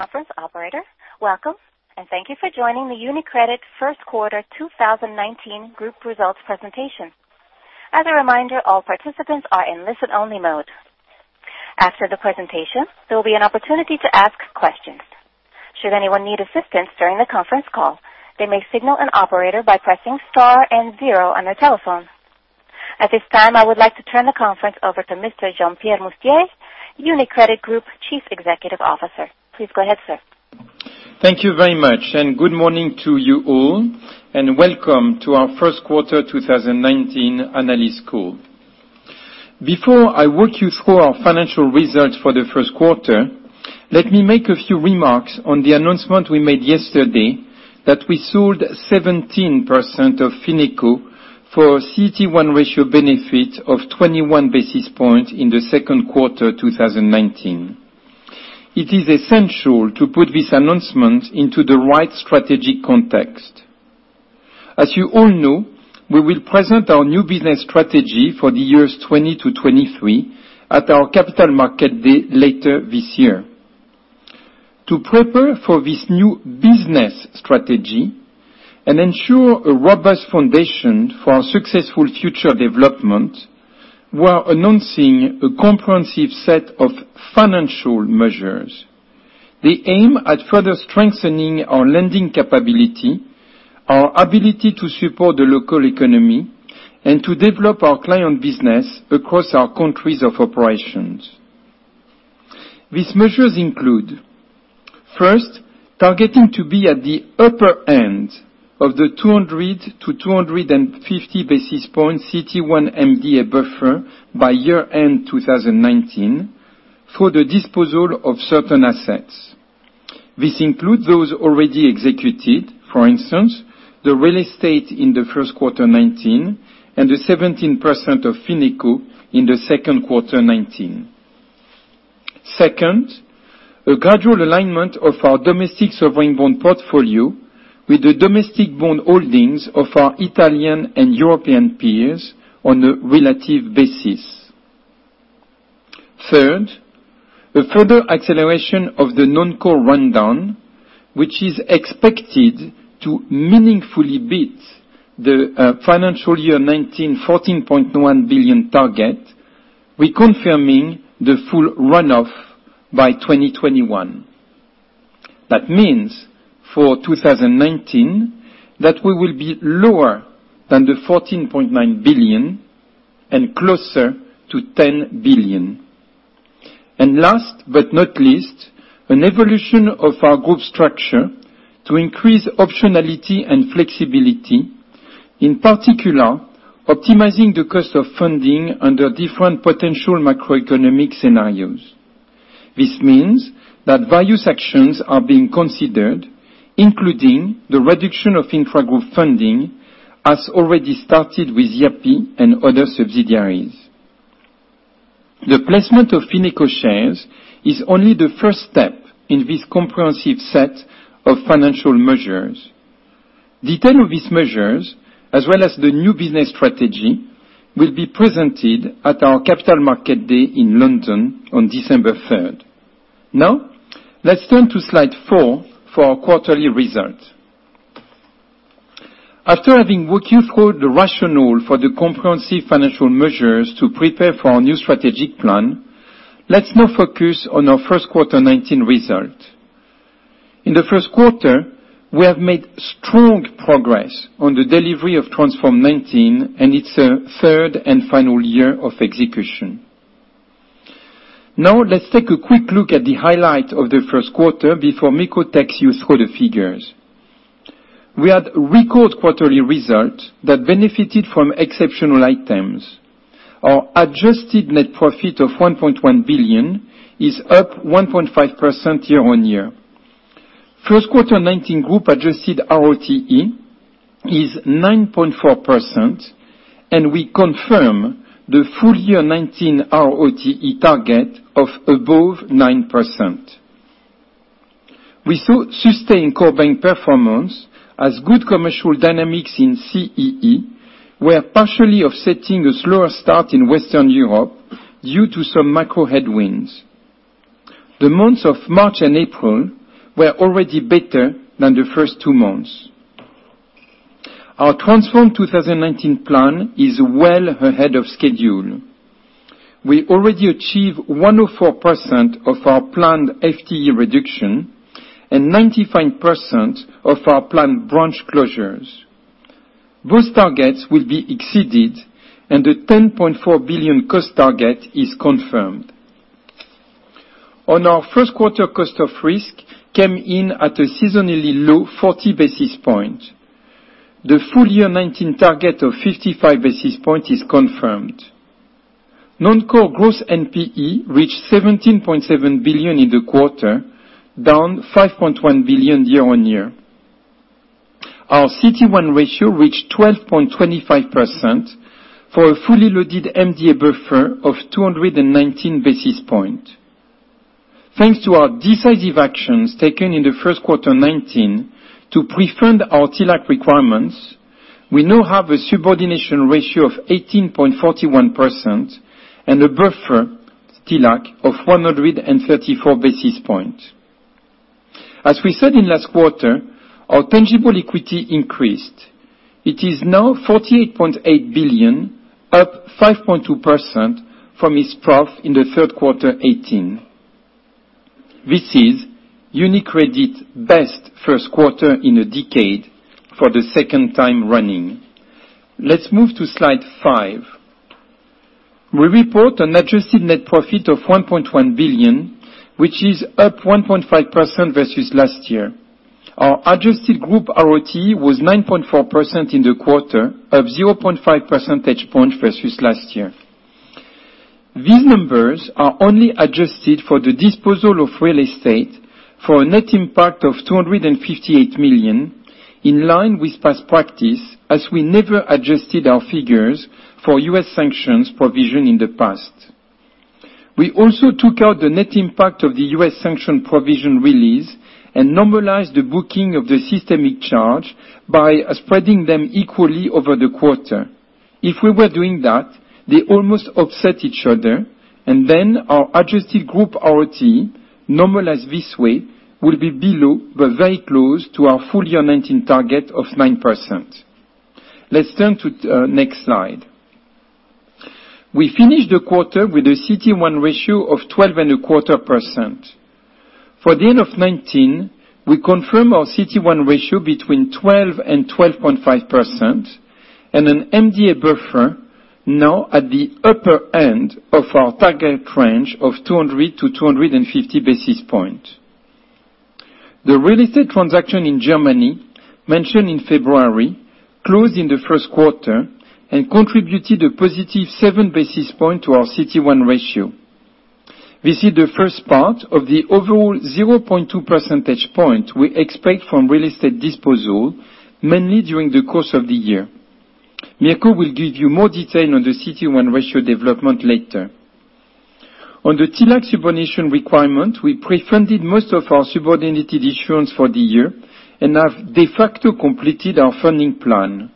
Conference operator, welcome. Thank you for joining the UniCredit First Quarter 2019 Group Results presentation. As a reminder, all participants are in listen-only mode. After the presentation, there will be an opportunity to ask questions. Should anyone need assistance during the conference call, they may signal an operator by pressing Star and Zero on their telephone. At this time, I would like to turn the conference over to Mr. Jean-Pierre Mustier, UniCredit Group Chief Executive Officer. Please go ahead, sir. Thank you very much. Good morning to you all, and welcome to our first quarter 2019 analyst call. Before I walk you through our financial results for the first quarter, let me make a few remarks on the announcement we made yesterday that we sold 17% of Fineco for CET1 ratio benefit of 21 basis points in the second quarter 2019. It is essential to put this announcement into the right strategic context. As you all know, we will present our new business strategy for the years 2020 to 2023 at our capital market day later this year. To prepare for this new business strategy and ensure a robust foundation for our successful future development, we are announcing a comprehensive set of financial measures. They aim at further strengthening our lending capability, our ability to support the local economy, and to develop our client business across our countries of operations. These measures include, first, targeting to be at the upper end of the 200-250 basis point CET1 MDA buffer by year-end 2019 for the disposal of certain assets. This includes those already executed, for instance, the real estate in the first quarter 2019, and the 17% of Fineco in the second quarter 2019. Second, a gradual alignment of our domestic sovereign bond portfolio with the domestic bond holdings of our Italian and European peers on a relative basis. Third, a further acceleration of the non-core rundown, which is expected to meaningfully beat the financial year 2019 14.9 billion target. We are confirming the full runoff by 2021. That means for 2019, that we will be lower than the 14.9 billion and closer to 10 billion. Last but not least, an evolution of our group structure to increase optionality and flexibility, in particular, optimizing the cost of funding under different potential macroeconomic scenarios. This means that valuation actions are being considered, including the reduction of intra-group funding, as already started with Yapı and other subsidiaries. The placement of Fineco shares is only the first step in this comprehensive set of financial measures. Details of these measures, as well as the new business strategy, will be presented at our Capital Market Day in London on December 3rd. Now, let's turn to slide four for our quarterly results. After having walked you through the rationale for the comprehensive financial measures to prepare for our new strategic plan, let's now focus on our first quarter 2019 result. In the first quarter, we have made strong progress on the delivery of Transform 19 and its third and final year of execution. Let's take a quick look at the highlight of the first quarter before Mirco takes you through the figures. We had a record quarterly result that benefited from exceptional items. Our adjusted net profit of 1.1 billion is up 1.5% year-on-year. First quarter 2019 group adjusted ROTE is 9.4%, and we confirm the full year 2019 ROTE target of above 9%. We saw sustained core bank performance as good commercial dynamics in CEE, where partially offsetting a slower start in Western Europe due to some macro headwinds. The months of March and April were already better than the first two months. Our Transform 2019 plan is well ahead of schedule. We already achieved 104% of our planned FTE reduction and 95% of our planned branch closures. Those targets will be exceeded, and the 10.4 billion cost target is confirmed. Our first quarter cost of risk came in at a seasonally low 40 basis points. The full year 2019 target of 55 basis points is confirmed. Non-core gross NPE reached 17.7 billion in the quarter, down 5.1 billion year-on-year. Our CET1 ratio reached 12.25% for a fully loaded MDA buffer of 219 basis points. Thanks to our decisive actions taken in the first quarter 2019 to prefund our TLAC requirements. We now have a subordination ratio of 18.41% and a buffer TLAC of 134 basis points. As we said in last quarter, our tangible equity increased. It is now 48.8 billion, up 5.2% from its trough in the third quarter 2018. This is UniCredit's best first quarter in a decade for the second time running. Let's move to slide five. We report an adjusted net profit of 1.1 billion, which is up 1.5% versus last year. Our adjusted group ROTE was 9.4% in the quarter, up 0.5 percentage points versus last year. These numbers are only adjusted for the disposal of real estate for a net impact of 258 million, in line with past practice, as we never adjusted our figures for U.S. sanctions provision in the past. We also took out the net impact of the U.S. sanction provision release and normalized the booking of the systemic charge by spreading them equally over the quarter. If we were doing that, they almost offset each other, and our adjusted group ROTE, normalized this way, will be below, but very close to our full-year 2019 target of 9%. Let's turn to next slide. We finished the quarter with a CET1 ratio of 12.25%. For the end of 2019, we confirm our CET1 ratio between 12% and 12.5%, and an MDA buffer now at the upper end of our target range of 200-250 basis points. The real estate transaction in Germany, mentioned in February, closed in the first quarter and contributed a positive 7 basis points to our CET1 ratio. This is the first part of the overall 0.2 percentage points we expect from real estate disposal, mainly during the course of the year. Mirco will give you more detail on the CET1 ratio development later. On the TLAC subordination requirement, we pre-funded most of our subordinated issuance for the year and have de facto completed our funding plan.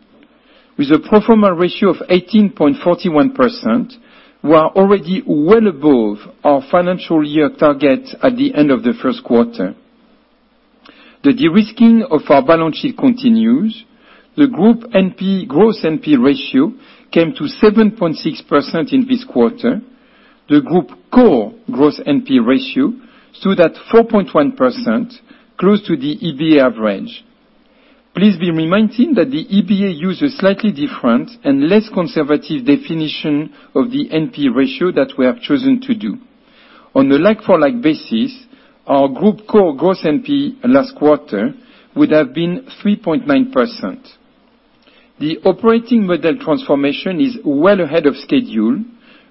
With a pro forma ratio of 18.41%, we are already well above our financial year target at the end of the first quarter. The de-risking of our balance sheet continues. The group gross NP ratio came to 7.6% in this quarter. The group core gross NP ratio stood at 4.1%, close to the EBA average. Please be reminded that the EBA uses slightly different and less conservative definition of the NP ratio that we have chosen to do. On the like for like basis, our group core gross NP last quarter would have been 3.9%. The operating model transformation is well ahead of schedule,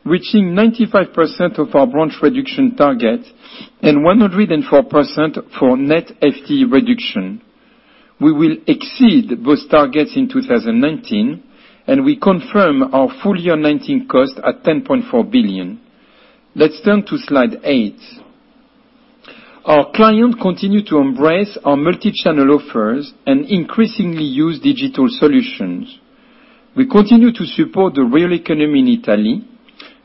reaching 95% of our branch reduction target and 104% for net FT reduction. We will exceed those targets in 2019, and we confirm our full-year 2019 cost at 10.4 billion. Let's turn to slide eight. Our clients continue to embrace our multi-channel offers and increasingly use digital solutions. We continue to support the real economy in Italy.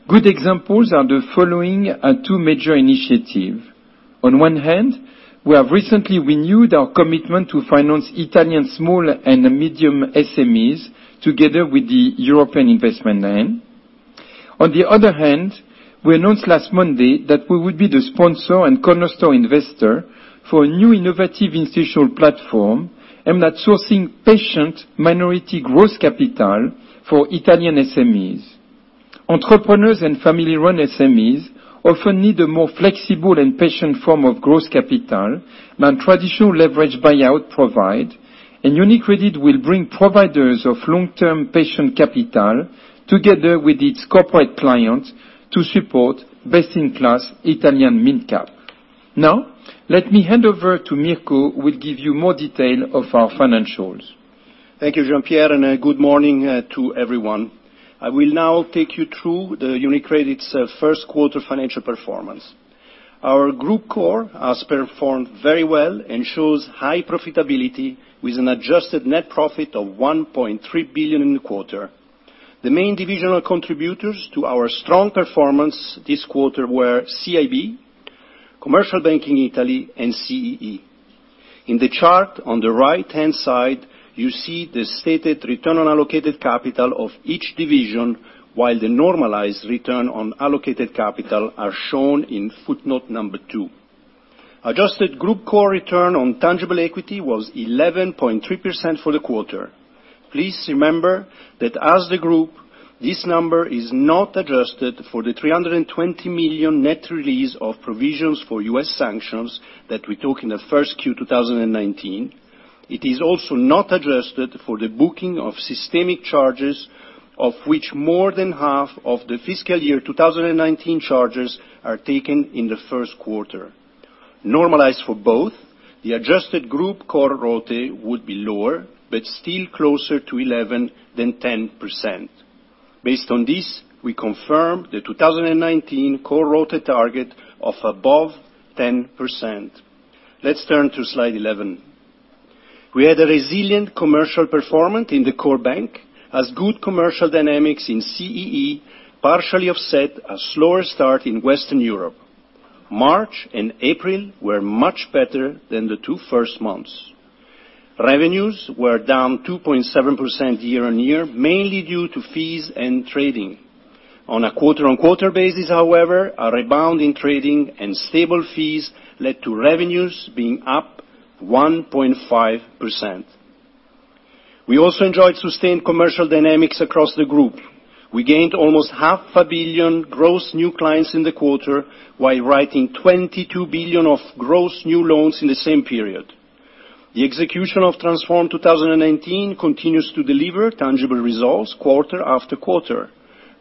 Good examples are the following two major initiatives. On one hand, we have recently renewed our commitment to finance Italian small and medium SMEs together with the European Investment Bank. On the other hand, we announced last Monday that we would be the sponsor and cornerstone investor for a new innovative institutional platform aimed at sourcing patient minority growth capital for Italian SMEs. Entrepreneurs and family-run SMEs often need a more flexible and patient form of growth capital than traditional leveraged buyout provide. UniCredit will bring providers of long-term patient capital together with its corporate clients to support best-in-class Italian midcap. Now, let me hand over to Mirco, who will give you more detail of our financials. Thank you, Jean-Pierre. Good morning to everyone. I will now take you through the UniCredit's first quarter financial performance. Our group core has performed very well and shows high profitability with an adjusted net profit of 1.3 billion in the quarter. The main divisional contributors to our strong performance this quarter were CIB, Commercial Banking Italy, and CEE. In the chart on the right-hand side, you see the stated return on allocated capital of each division, while the normalized return on allocated capital are shown in footnote number 2. Adjusted group core return on tangible equity was 11.3% for the quarter. Please remember that as the group, this number is not adjusted for the 320 million net release of provisions for U.S. sanctions that we took in the first Q 2019. It is also not adjusted for the booking of systemic charges, of which more than half of the fiscal year 2019 charges are taken in the first quarter. Normalized for both, the adjusted group core ROT would be lower, but still closer to 11% than 10%. Based on this, we confirm the 2019 core ROTE target of above 10%. Let's turn to slide 11. We had a resilient commercial performance in the core bank, as good commercial dynamics in CEE partially offset a slower start in Western Europe. March and April were much better than the two first months. Revenues were down 2.7% year-on-year, mainly due to fees and trading. On a quarter-on-quarter basis, however, a rebound in trading and stable fees led to revenues being up 1.5%. We also enjoyed sustained commercial dynamics across the group. We gained almost half a billion gross new clients in the quarter, while writing 22 billion of gross new loans in the same period. The execution of Transform 2019 continues to deliver tangible results quarter after quarter.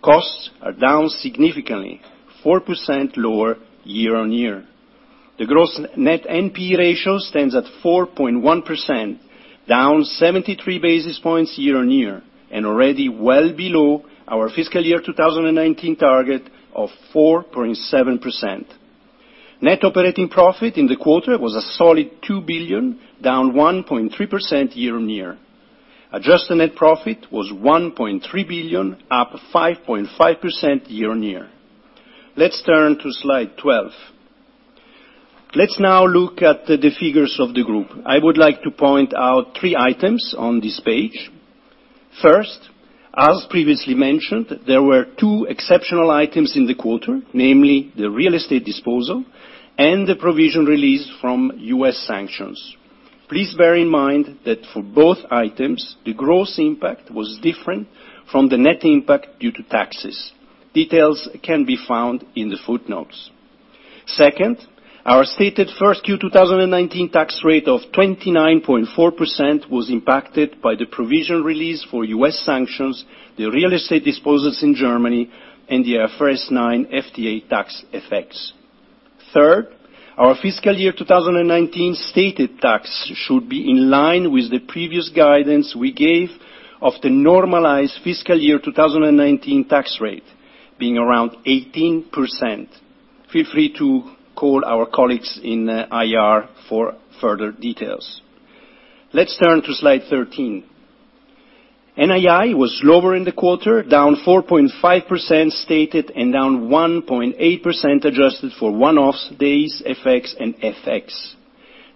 Costs are down significantly, 4% lower year-on-year. The gross net NPE ratio stands at 4.1%, down 73 basis points year-on-year, and already well below our fiscal year 2019 target of 4.7%. Net operating profit in the quarter was a solid 2 billion, down 1.3% year-on-year. Adjusted net profit was 1.3 billion, up 5.5% year-on-year. Let's turn to slide 12. Let's now look at the figures of the group. I would like to point out three items on this page. First, as previously mentioned, there were two exceptional items in the quarter, namely the real estate disposal and the provision release from U.S. sanctions. Please bear in mind that for both items, the gross impact was different from the net impact due to taxes. Details can be found in the footnotes. Our stated first Q 2019 tax rate of 29.4% was impacted by the provision release for U.S. sanctions, the real estate disposals in Germany, and the IFRS 9 FTA tax effects. Our fiscal year 2019 stated tax should be in line with the previous guidance we gave of the normalized fiscal year 2019 tax rate being around 18%. Feel free to call our colleagues in IR for further details. Let's turn to slide 13. NII was lower in the quarter, down 4.5% stated and down 1.8% adjusted for one-offs, days effects and FX.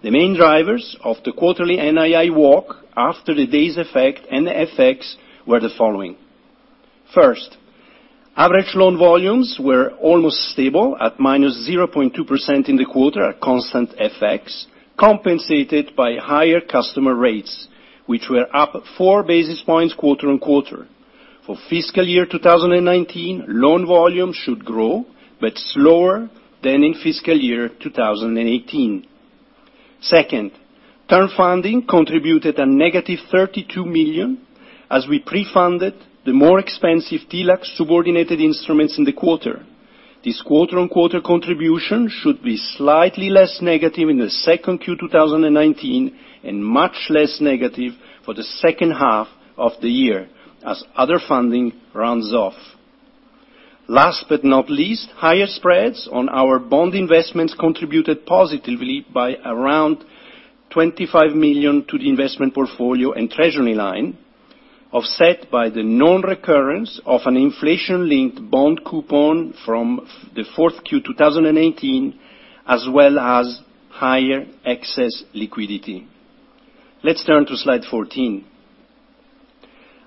The main drivers of the quarterly NII walk after the days effect and the FX were the following. Average loan volumes were almost stable at minus 0.2% in the quarter at constant FX, compensated by higher customer rates, which were up four basis points quarter-on-quarter. For fiscal year 2019, loan volumes should grow, but slower than in fiscal year 2018. Term funding contributed a negative 32 million, as we pre-funded the more expensive TLAC subordinated instruments in the quarter. This quarter-on-quarter contribution should be slightly less negative in the second Q 2019 and much less negative for the second half of the year, as other funding runs off. Last but not least, higher spreads on our bond investments contributed positively by around 25 million to the investment portfolio and treasury line, offset by the non-recurrence of an inflation-linked bond coupon from the fourth Q 2018, as well as higher excess liquidity. Let's turn to slide 14.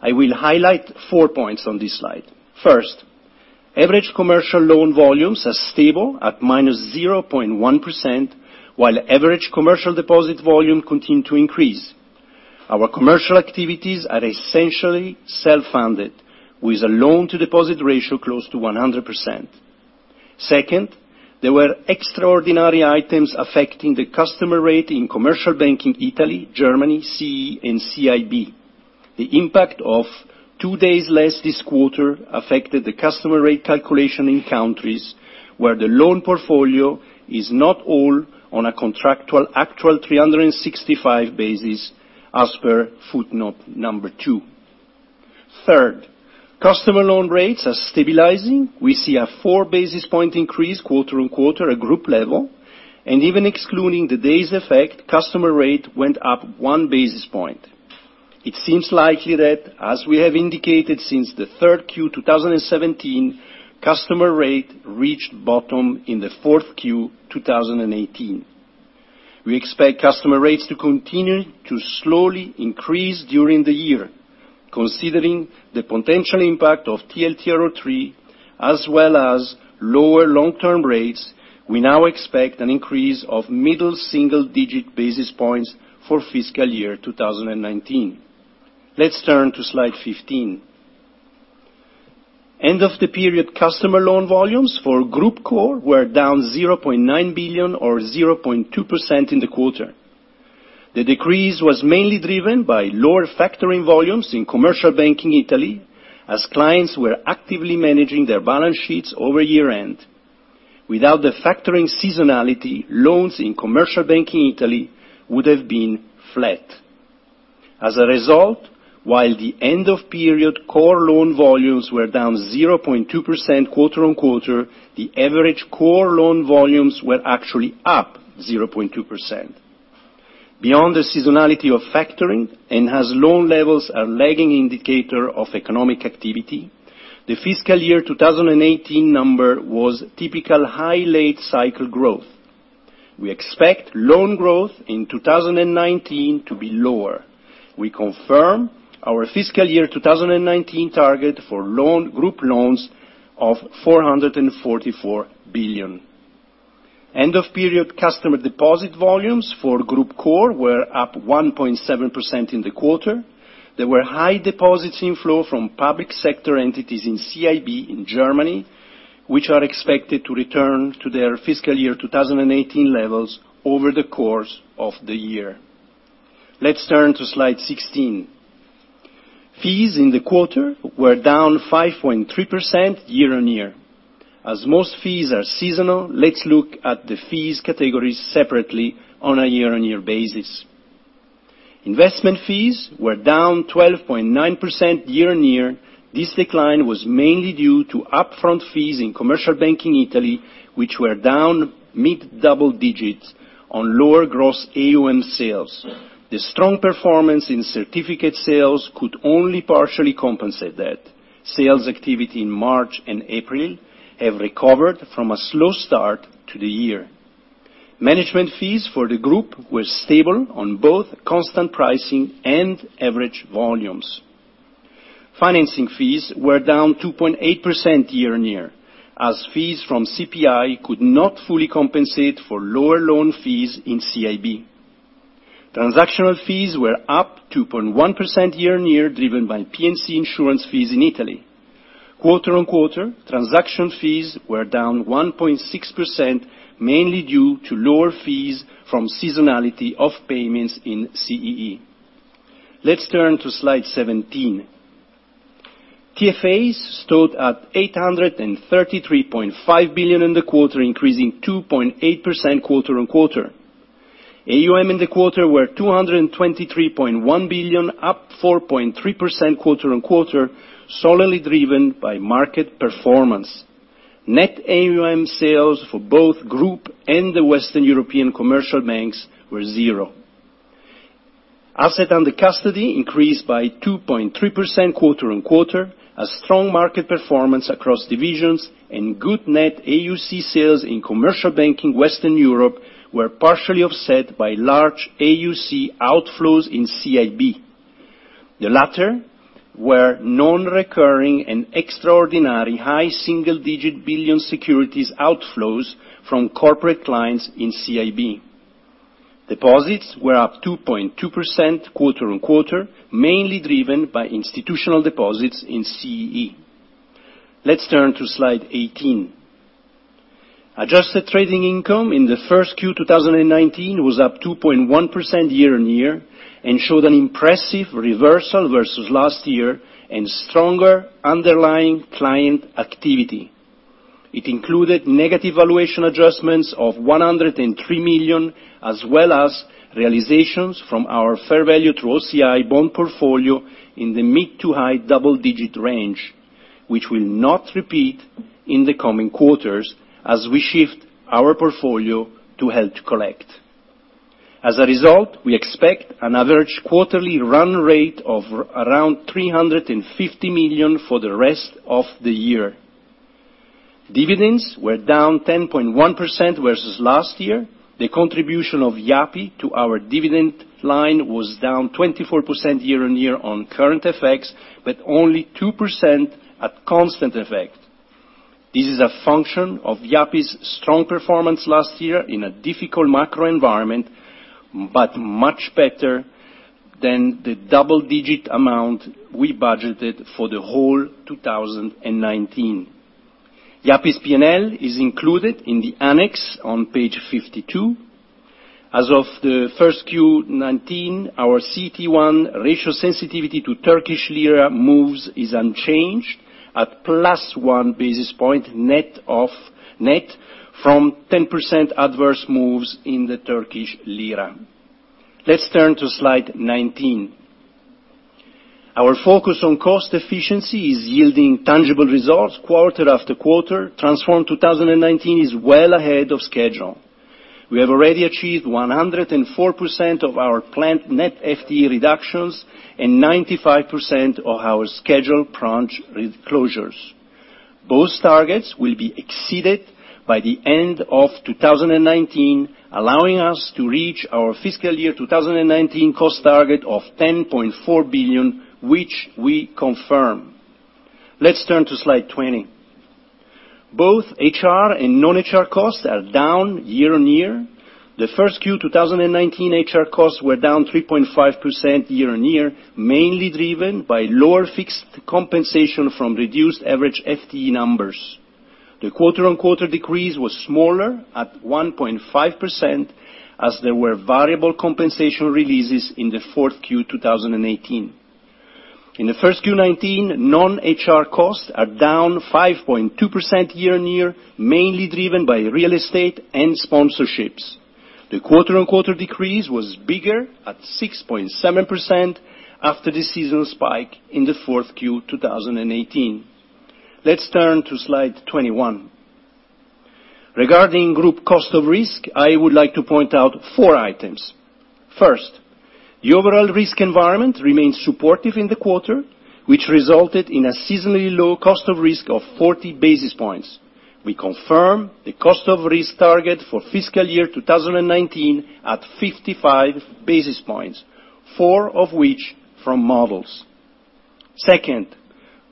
I will highlight four points on this slide. Average commercial loan volumes are stable at minus 0.1%, while average commercial deposit volume continue to increase. Our commercial activities are essentially self-funded, with a loan-to-deposit ratio close to 100%. There were extraordinary items affecting the customer rate in Commercial Banking Italy, Germany, CEE, and CIB. The impact of two days less this quarter affected the customer rate calculation in countries where the loan portfolio is not all on a contractual actual 365 basis, as per footnote number 2. Customer loan rates are stabilizing. We see a four-basis-point increase quarter-on-quarter at group level, and even excluding the days effect, customer rate went up one basis point. It seems likely that, as we have indicated since the third Q 2017, customer rate reached bottom in the fourth Q 2018. We expect customer rates to continue to slowly increase during the year. Considering the potential impact of TLTRO 3 as well as lower long-term rates, we now expect an increase of middle single-digit basis points for fiscal year 2019. Let's turn to slide 15. End of the period customer loan volumes for Group Core were down 0.9 billion or 0.2% in the quarter. The decrease was mainly driven by lower factoring volumes in Commercial Banking Italy, as clients were actively managing their balance sheets over year-end. Without the factoring seasonality, loans in Commercial Banking Italy would have been flat. As a result, while the end-of-period core loan volumes were down 0.2% quarter-on-quarter, the average core loan volumes were actually up 0.2%. Beyond the seasonality of factoring and as loan levels are lagging indicator of economic activity, the fiscal year 2018 number was typical high late cycle growth. We expect loan growth in 2019 to be lower. We confirm our fiscal year 2019 target for group loans of 444 billion. End-of-period customer deposit volumes for Group Core were up 1.7% in the quarter. There were high deposits inflow from public sector entities in CIB in Germany, which are expected to return to their fiscal year 2018 levels over the course of the year. Let's turn to slide 16. Fees in the quarter were down 5.3% year-on-year. As most fees are seasonal, let's look at the fees categories separately on a year-on-year basis. Investment fees were down 12.9% year-on-year. This decline was mainly due to upfront fees in Commercial Banking Italy, which were down mid double digits on lower gross AUM sales. The strong performance in certificate sales could only partially compensate that. Sales activity in March and April have recovered from a slow start to the year. Management fees for the group were stable on both constant pricing and average volumes. Financing fees were down 2.8% year-on-year, as fees from CPI could not fully compensate for lower loan fees in CIB. Transactional fees were up 2.1% year-on-year, driven by P&C insurance fees in Italy. Quarter-on-quarter, transaction fees were down 1.6%, mainly due to lower fees from seasonality of payments in CEE. Let's turn to slide 17. TFAs stood at 833.5 billion in the quarter, increasing 2.8% quarter-on-quarter. AUM in the quarter were 223.1 billion, up 4.3% quarter-on-quarter, solely driven by market performance. Net AUM sales for both group and the Western European Commercial Banks were zero. Asset under custody increased by 2.3% quarter-on-quarter. As strong market performance across divisions and good net AUC sales in Commercial Banking Western Europe were partially offset by large AUC outflows in CIB. The latter were non-recurring and extraordinary high single-digit billion securities outflows from corporate clients in CIB. Deposits were up 2.2% quarter-on-quarter, mainly driven by institutional deposits in CEE. Let's turn to slide 18. Adjusted trading income in the first Q 2019 was up 2.1% year-on-year, and showed an impressive reversal versus last year and stronger underlying client activity. It included negative valuation adjustments of 103 million, as well as realizations from our fair value through OCI bond portfolio in the mid to high double-digit range, which will not repeat in the coming quarters as we shift our portfolio to held to collect. As a result, we expect an average quarterly run rate of around 350 million for the rest of the year. Dividends were down 10.1% versus last year. The contribution of Yapı to our dividend line was down 24% year-on-year on current FX, but only 2% at constant FX. This is a function of Yapı's strong performance last year in a difficult macro environment, but much better than the double-digit amount we budgeted for the whole 2019. Yapı's P&L is included in the annex on page 52. As of the first Q 2019, our CET1 ratio sensitivity to Turkish lira moves is unchanged at +1 basis point net from 10% adverse moves in the Turkish lira. Let's turn to slide 19. Our focus on cost efficiency is yielding tangible results quarter-after-quarter. Transform 2019 is well ahead of schedule. We have already achieved 104% of our planned net FTE reductions and 95% of our scheduled branch closures. Both targets will be exceeded by the end of 2019, allowing us to reach our fiscal year 2019 cost target of 10.4 billion, which we confirm. Let's turn to slide 20. Both HR and non-HR costs are down year-on-year. The first Q 2019 HR costs were down 3.5% year-on-year, mainly driven by lower fixed compensation from reduced average FTE numbers. The quarter-on-quarter decrease was smaller at 1.5% as there were variable compensation releases in the fourth Q 2018. In the first Q 2019, non-HR costs are down 5.2% year-on-year, mainly driven by real estate and sponsorships. The quarter-on-quarter decrease was bigger, at 6.7%, after the seasonal spike in the fourth Q 2018. Let's turn to slide 21. Regarding group cost of risk, I would like to point out four items. First, the overall risk environment remains supportive in the quarter, which resulted in a seasonally low cost of risk of 40 basis points. We confirm the cost of risk target for fiscal year 2019 at 55 basis points, four of which from models. Second,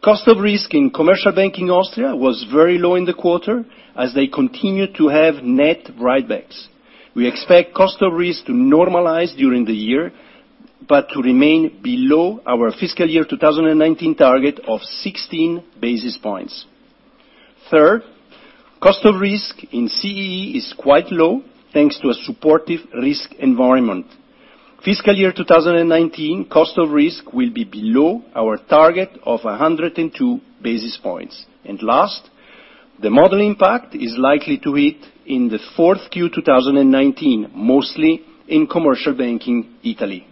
cost of risk in commercial banking Austria was very low in the quarter, as they continue to have net write-backs. We expect cost of risk to normalize during the year, but to remain below our fiscal year 2019 target of 16 basis points. Third, cost of risk in CEE is quite low, thanks to a supportive risk environment. Fiscal year 2019 cost of risk will be below our target of 102 basis points. Last, the model impact is likely to hit in the fourth Q 2019, mostly in commercial banking Italy.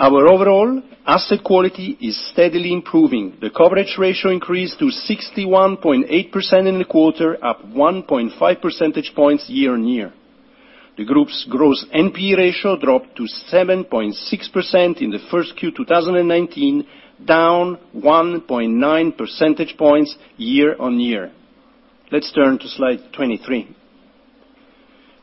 Our overall asset quality is steadily improving. The coverage ratio increased to 61.8% in the quarter, up 1.5 percentage points year-on-year. The group's gross NPE ratio dropped to 7.6% in the first Q 2019, down 1.9 percentage points year-on-year. Let's turn to slide 23.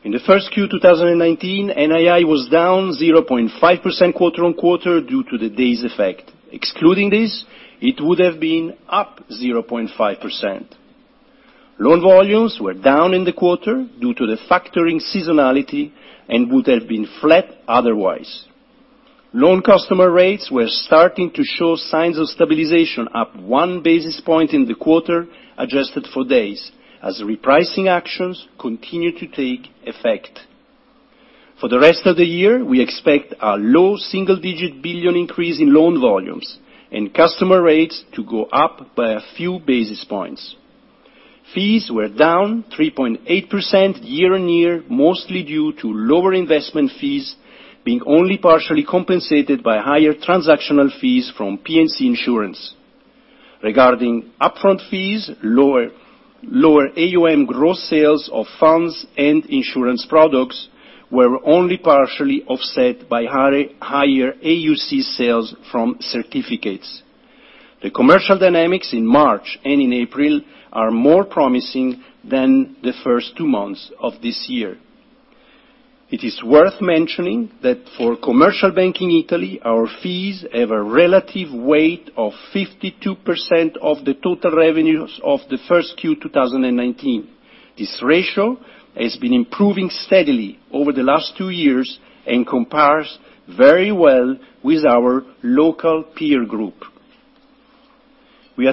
In the first Q 2019, NII was down 0.5% quarter-on-quarter due to the days effect. Excluding this, it would have been up 0.5%. Loan volumes were down in the quarter due to the factoring seasonality and would have been flat otherwise. Loan customer rates were starting to show signs of stabilization, up one basis point in the quarter, adjusted for days, as repricing actions continue to take effect. For the rest of the year, we expect a low single-digit billion increase in loan volumes and customer rates to go up by a few basis points. Fees were down 3.8% year-on-year, mostly due to lower investment fees, being only partially compensated by higher transactional fees from P&C Insurance. Regarding upfront fees, lower AUM gross sales of funds and insurance products were only partially offset by higher AUC sales from certificates. The commercial dynamics in March and in April are more promising than the first two months of this year. It is worth mentioning that for commercial bank in Italy, our fees have a relative weight of 52% of the total revenues of the first Q 2019. This ratio has been improving steadily over the last two years and compares very well with our local peer group. We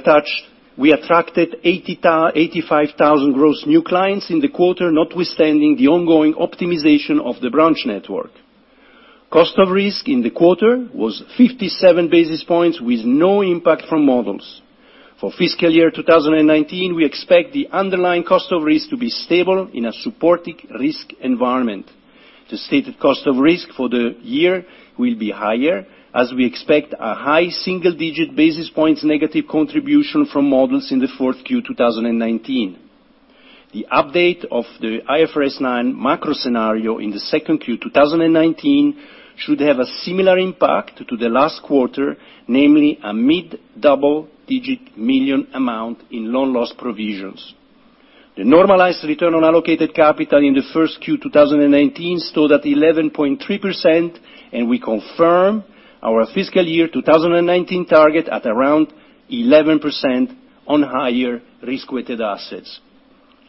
attracted 85,000 gross new clients in the quarter, notwithstanding the ongoing optimization of the branch network. Cost of risk in the quarter was 57 basis points, with no impact from models. For fiscal year 2019, we expect the underlying cost of risk to be stable in a supported risk environment. The stated cost of risk for the year will be higher, as we expect a high single-digit basis points negative contribution from models in the fourth Q 2019. The update of the IFRS 9 macro scenario in the second Q 2019 should have a similar impact to the last quarter, namely a mid-double digit million EUR amount in loan loss provisions. The normalized return on allocated capital in the first Q 2019 stood at 11.3%, and we confirm our fiscal year 2019 target at around 11% on higher risk-weighted assets.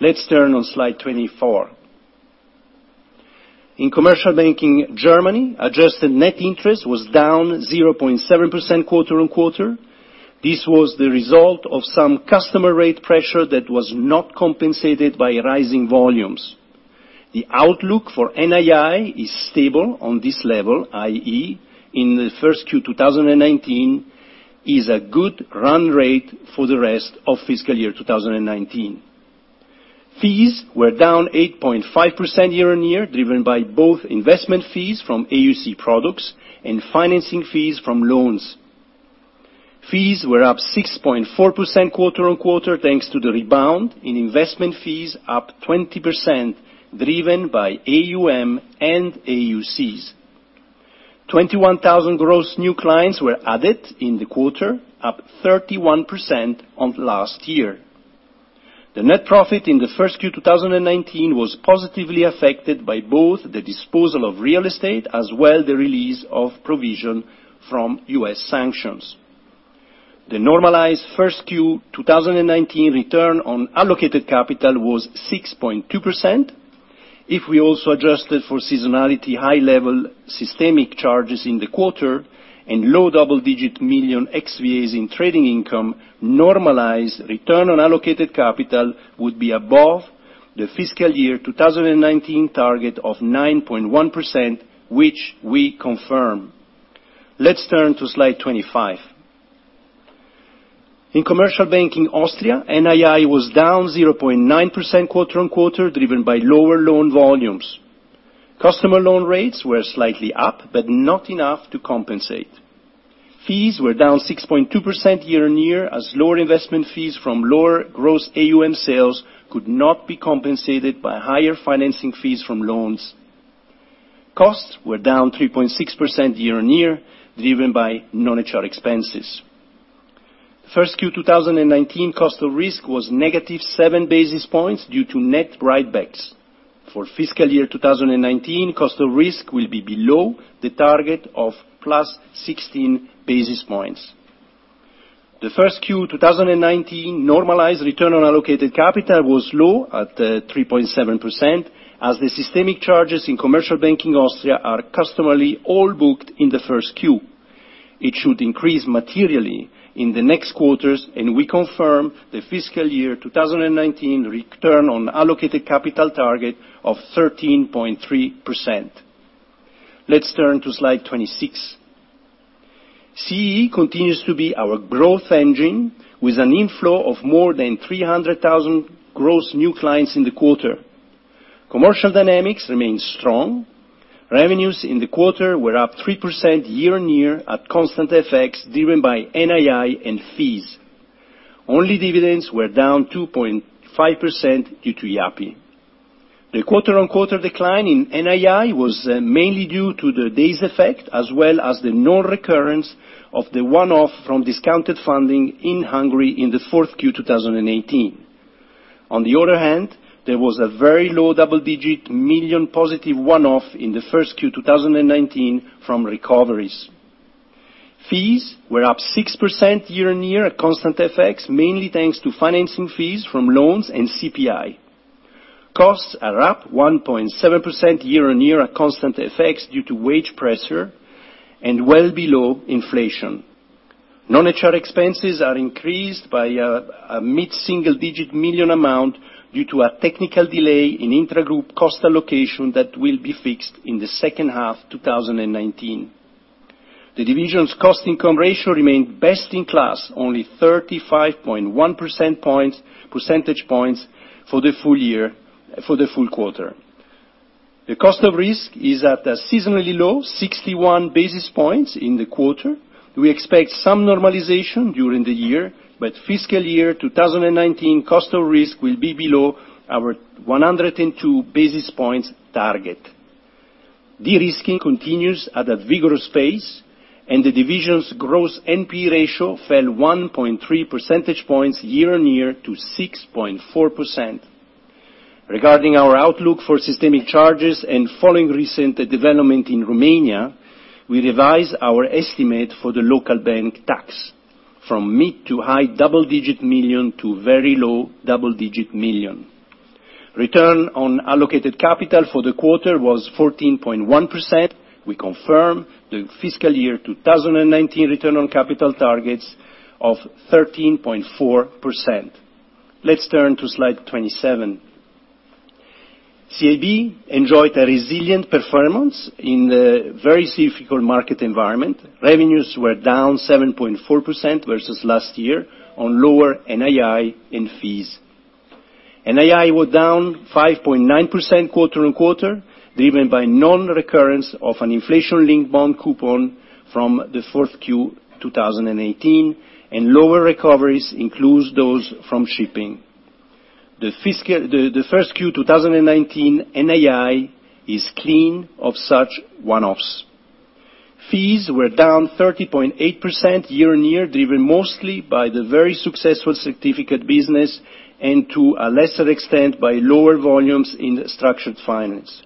Let's turn on slide 24. In commercial banking Germany, adjusted net interest was down 0.7% quarter-on-quarter. This was the result of some customer rate pressure that was not compensated by rising volumes. The outlook for NII is stable on this level, i.e. in the first Q 2019, is a good run rate for the rest of fiscal year 2019. Fees were down 8.5% year-on-year, driven by both investment fees from AUC products and financing fees from loans. Fees were up 6.4% quarter-on-quarter, thanks to the rebound in investment fees up 20%, driven by AUM and AUCs. 21,000 gross new clients were added in the quarter, up 31% on last year. The net profit in the first Q 2019 was positively affected by both the disposal of real estate as well the release of provision from U.S. sanctions. The normalized first Q 2019 return on allocated capital was 6.2%. If we also adjusted for seasonality, high-level systemic charges in the quarter, and low double-digit million EUR XVAs in trading income, normalized return on allocated capital would be above 2%. The fiscal year 2019 target of 9.1%, which we confirm. Let's turn to slide 25. In commercial banking Austria, NII was down 0.9% quarter-on-quarter, driven by lower loan volumes. Customer loan rates were slightly up, but not enough to compensate. Fees were down 6.2% year-on-year, as lower investment fees from lower gross AUM sales could not be compensated by higher financing fees from loans. Costs were down 3.6% year-on-year, driven by non-HR expenses. The first Q 2019 cost of risk was negative seven basis points due to net write-backs. For fiscal year 2019, cost of risk will be below the target of plus 16 basis points. The first Q 2019 normalized return on allocated capital was low at 3.7% as the systemic charges in commercial banking Austria are customarily all booked in the first Q. It should increase materially in the next quarters, and we confirm the fiscal year 2019 return on allocated capital target of 13.3%. Let's turn to slide 26. CEE continues to be our growth engine, with an inflow of more than 300,000 gross new clients in the quarter. Commercial dynamics remain strong. Revenues in the quarter were up 3% year-on-year at constant FX, driven by NII and fees. Only dividends were down 2.5% due to IAPI. The quarter-on-quarter decline in NII was mainly due to the days effect, as well as the non-recurrence of the one-off from discounted funding in Hungary in the fourth Q 2018. On the other hand, there was a very low double-digit million positive one-off in the first Q 2019 from recoveries. Fees were up 6% year-on-year at constant FX, mainly thanks to financing fees from loans and CPI. Costs are up 1.7% year-on-year at constant FX due to wage pressure and well below inflation. Non-HR expenses are increased by a mid-single digit million amount due to a technical delay in intragroup cost allocation that will be fixed in the second half 2019. The division's cost income ratio remained best in class, only 35.1 percentage points for the full quarter. The cost of risk is at a seasonally low 61 basis points in the quarter. We expect some normalization during the year, but fiscal year 2019 cost of risk will be below our 102 basis points target. De-risking continues at a vigorous pace, and the division's gross NP ratio fell 1.3 percentage points year-on-year to 6.4%. Regarding our outlook for systemic charges and following recent development in Romania, we revise our estimate for the local bank tax from mid to high double-digit million to very low double-digit million. Return on allocated capital for the quarter was 14.1%. We confirm the fiscal year 2019 return on capital targets of 13.4%. Let's turn to slide 27. CIB enjoyed a resilient performance in a very difficult market environment. Revenues were down 7.4% versus last year on lower NII and fees. NII were down 5.9% quarter-on-quarter, driven by non-recurrence of an inflation-linked bond coupon from the fourth Q 2018, and lower recoveries includes those from shipping. The first Q 2019 NII is clean of such one-offs. Fees were down 30.8% year-on-year, driven mostly by the very successful certificate business and to a lesser extent, by lower volumes in structured finance.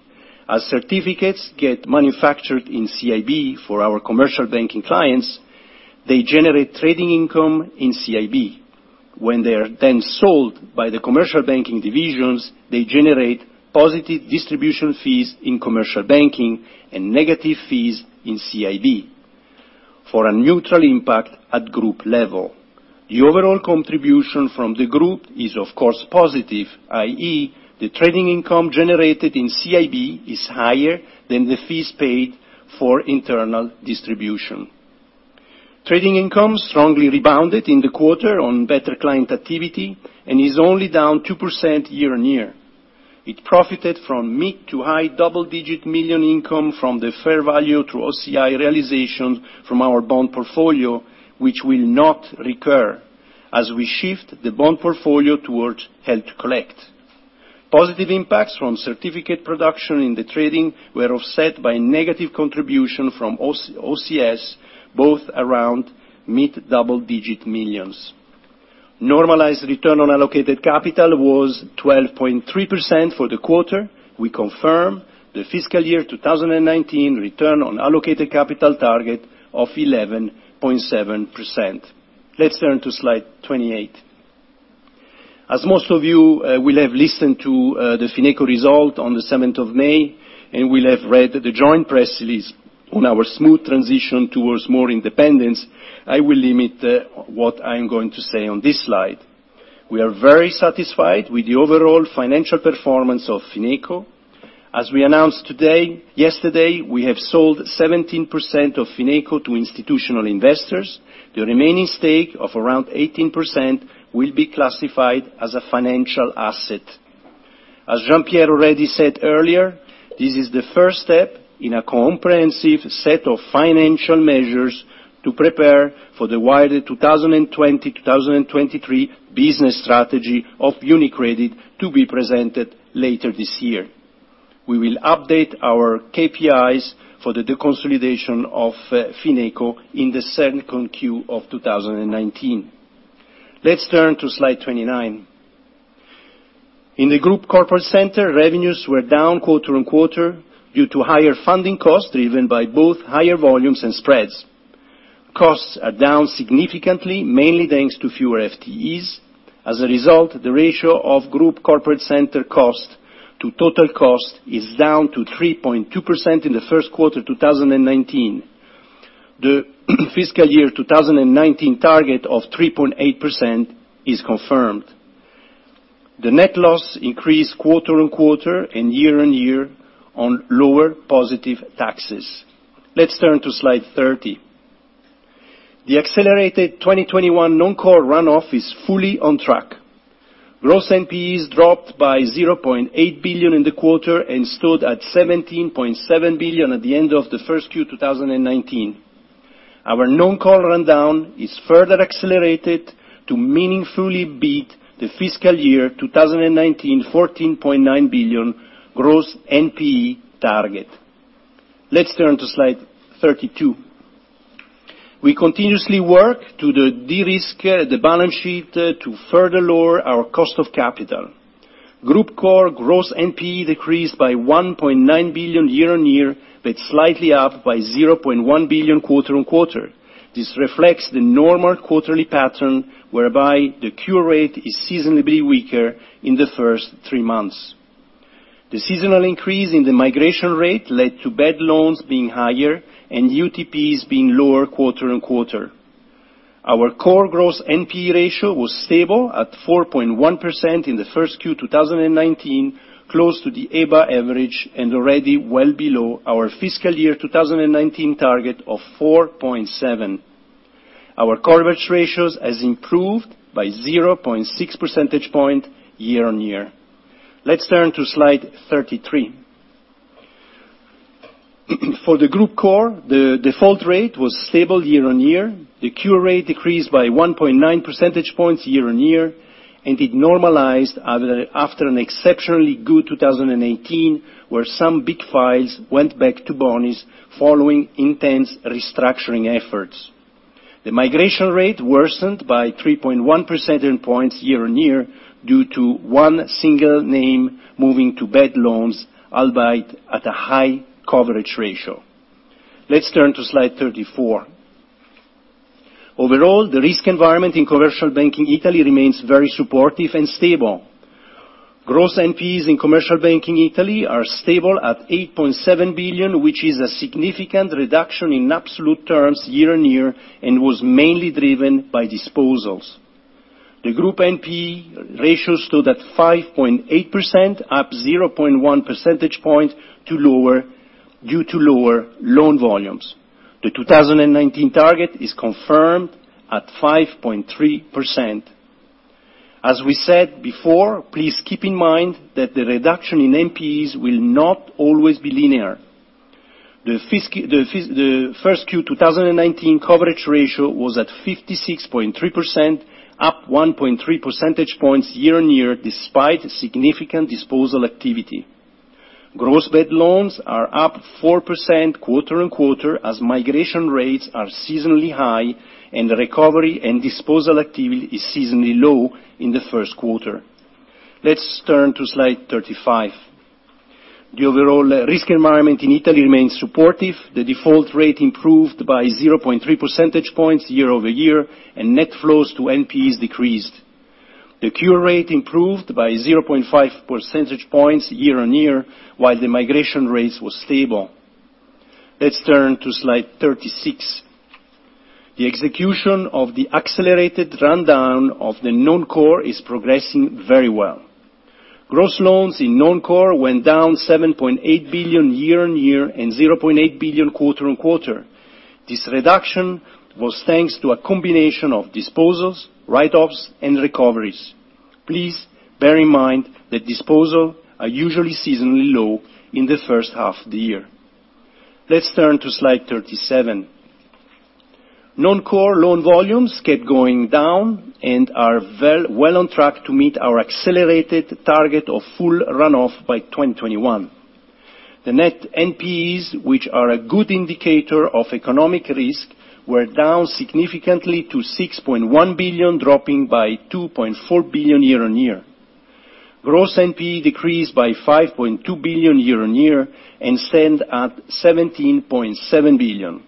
As certificates get manufactured in CIB for our commercial banking clients, they generate trading income in CIB. When they are then sold by the commercial banking divisions, they generate positive distribution fees in commercial banking and negative fees in CIB, for a neutral impact at group level. The overall contribution from the group is, of course, positive, i.e., the trading income generated in CIB is higher than the fees paid for internal distribution. Trading income strongly rebounded in the quarter on better client activity and is only down 2% year-on-year. It profited from mid to high double-digit million income from the fair value through OCI realization from our bond portfolio, which will not recur as we shift the bond portfolio towards held to collect. Positive impacts from certificate production in the trading were offset by negative contribution from OCS, both around mid double-digit millions. Normalized return on allocated capital was 12.3% for the quarter. We confirm the fiscal year 2019 return on allocated capital target of 11.7%. Let's turn to slide 28. As most of you will have listened to the Fineco result on the 7th of May, and will have read the joint press release on our smooth transition towards more independence, I will limit what I'm going to say on this slide. We are very satisfied with the overall financial performance of Fineco. As we announced yesterday, we have sold 17% of Fineco to institutional investors. The remaining stake of around 18% will be classified as a financial asset. As Jean-Pierre already said earlier, this is the first step in a comprehensive set of financial measures to prepare for the wider 2020-2023 business strategy of UniCredit to be presented later this year. We will update our KPIs for the deconsolidation of Fineco in the second Q of 2019. Let's turn to slide 29. In the Group Corporate Center, revenues were down quarter-on-quarter due to higher funding costs, driven by both higher volumes and spreads. Costs are down significantly, mainly thanks to fewer FTEs. As a result, the ratio of Group Corporate Center cost to total cost is down to 3.2% in the first quarter 2019. The fiscal year 2019 target of 3.8% is confirmed. The net loss increased quarter-on-quarter and year-on-year on lower positive taxes. Let's turn to slide 30. The accelerated 2021 non-core runoff is fully on track. Gross NPEs dropped by 0.8 billion in the quarter and stood at 17.7 billion at the end of the first Q 2019. Our non-core rundown is further accelerated to meaningfully beat the fiscal year 2019 14.9 billion gross NPE target. Let's turn to slide 32. We continuously work to derisk the balance sheet to further lower our cost of capital. Group Core gross NPE decreased by 1.9 billion year-on-year, but slightly up by 0.1 billion quarter-on-quarter. This reflects the normal quarterly pattern, whereby the cure rate is seasonably weaker in the first three months. The seasonal increase in the migration rate led to bad loans being higher and UTPs being lower quarter-on-quarter. Our core gross NPE ratio was stable at 4.1% in the first Q 2019, close to the EBA average and already well below our fiscal year 2019 target of 4.7%. Our coverage ratios has improved by 0.6 percentage point year-on-year. Let's turn to slide 33. For the Group Core, the default rate was stable year-on-year. The cure rate decreased by 1.9 percentage points year-on-year, and it normalized after an exceptionally good 2018, where some big files went back to in bonis following intense restructuring efforts. The migration rate worsened by 3.1 percentage points year-on-year due to one single name moving to bad loans, albeit at a high coverage ratio. Let's turn to slide 34. Overall, the risk environment in Commercial Banking Italy remains very supportive and stable. Gross NPEs in Commercial Banking Italy are stable at 8.7 billion, which is a significant reduction in absolute terms year-on-year, and was mainly driven by disposals. The Group NPE ratio stood at 5.8%, up 0.1 percentage point due to lower loan volumes. The 2019 target is confirmed at 5.3%. As we said before, please keep in mind that the reduction in NPEs will not always be linear. The first Q 2019 coverage ratio was at 56.3%, up 1.3 percentage points year-on-year, despite significant disposal activity. Gross bad loans are up 4% quarter-on-quarter, as migration rates are seasonally high, and the recovery and disposal activity is seasonally low in the first quarter. Let's turn to slide 35. The overall risk environment in Italy remains supportive. The default rate improved by 0.3 percentage points year-over-year, and net flows to NPEs decreased. The cure rate improved by 0.5 percentage points year-on-year, while the migration rate was stable. Let's turn to slide 36. The execution of the accelerated rundown of the non-core is progressing very well. Gross loans in non-core went down 7.8 billion year-on-year and 0.8 billion quarter-on-quarter. This reduction was thanks to a combination of disposals, write-offs, and recoveries. Please bear in mind that disposals are usually seasonally low in the first half of the year. Let's turn to slide 37. Non-core loan volumes kept going down and are well on track to meet our accelerated target of full runoff by 2021. The net NPEs, which are a good indicator of economic risk, were down significantly to 6.1 billion, dropping by 2.4 billion year-on-year. Gross NPE decreased by 5.2 billion year-on-year and stand at 17.7 billion.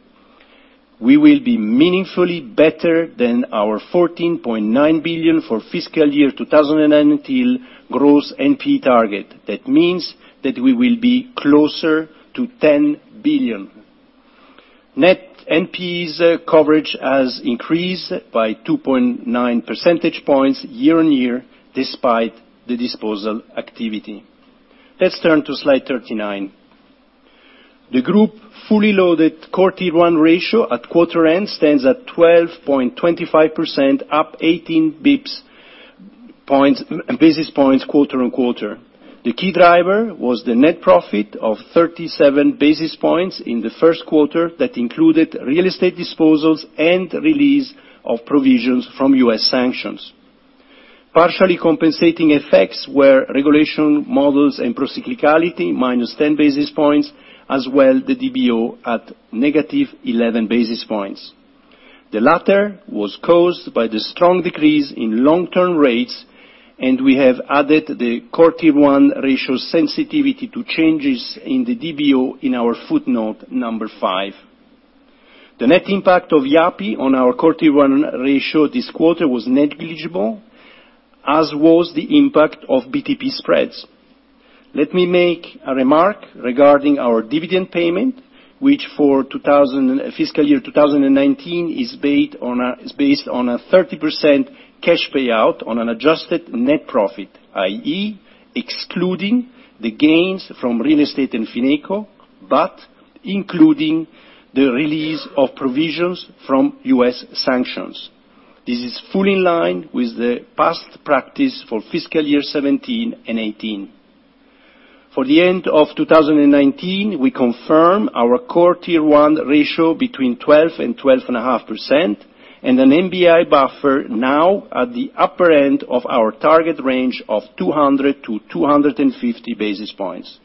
We will be meaningfully better than our 14.9 billion for fiscal year 2019 gross NPE target. That means that we will be closer to 10 billion. Net NPEs coverage has increased by 2.9 percentage points year-on-year despite the disposal activity. Let's turn to slide 39. The group fully loaded CET1 ratio at quarter end stands at 12.25%, up 18 basis points quarter-on-quarter. The key driver was the net profit of 37 basis points in the first quarter that included real estate disposals and release of provisions from U.S. sanctions. Partially compensating effects were regulation models and procyclicality, minus 10 basis points, as well the DBO at negative 11 basis points. The latter was caused by the strong decrease in long-term rates, we have added the CET1 ratio sensitivity to changes in the DBO in our footnote number five. The net impact of IAPI on our CET1 ratio this quarter was negligible, as was the impact of BTP spreads. Let me make a remark regarding our dividend payment, which for fiscal year 2019 is based on a 30% cash payout on an adjusted net profit, i.e., excluding the gains from real estate and Fineco, but including the release of provisions from U.S. sanctions. This is fully in line with the past practice for fiscal year 2017 and 2018. For the end of 2019, we confirm our CET1 ratio between 12%-12.5%, and an MBI buffer now at the upper end of our target range of 200-250 basis points.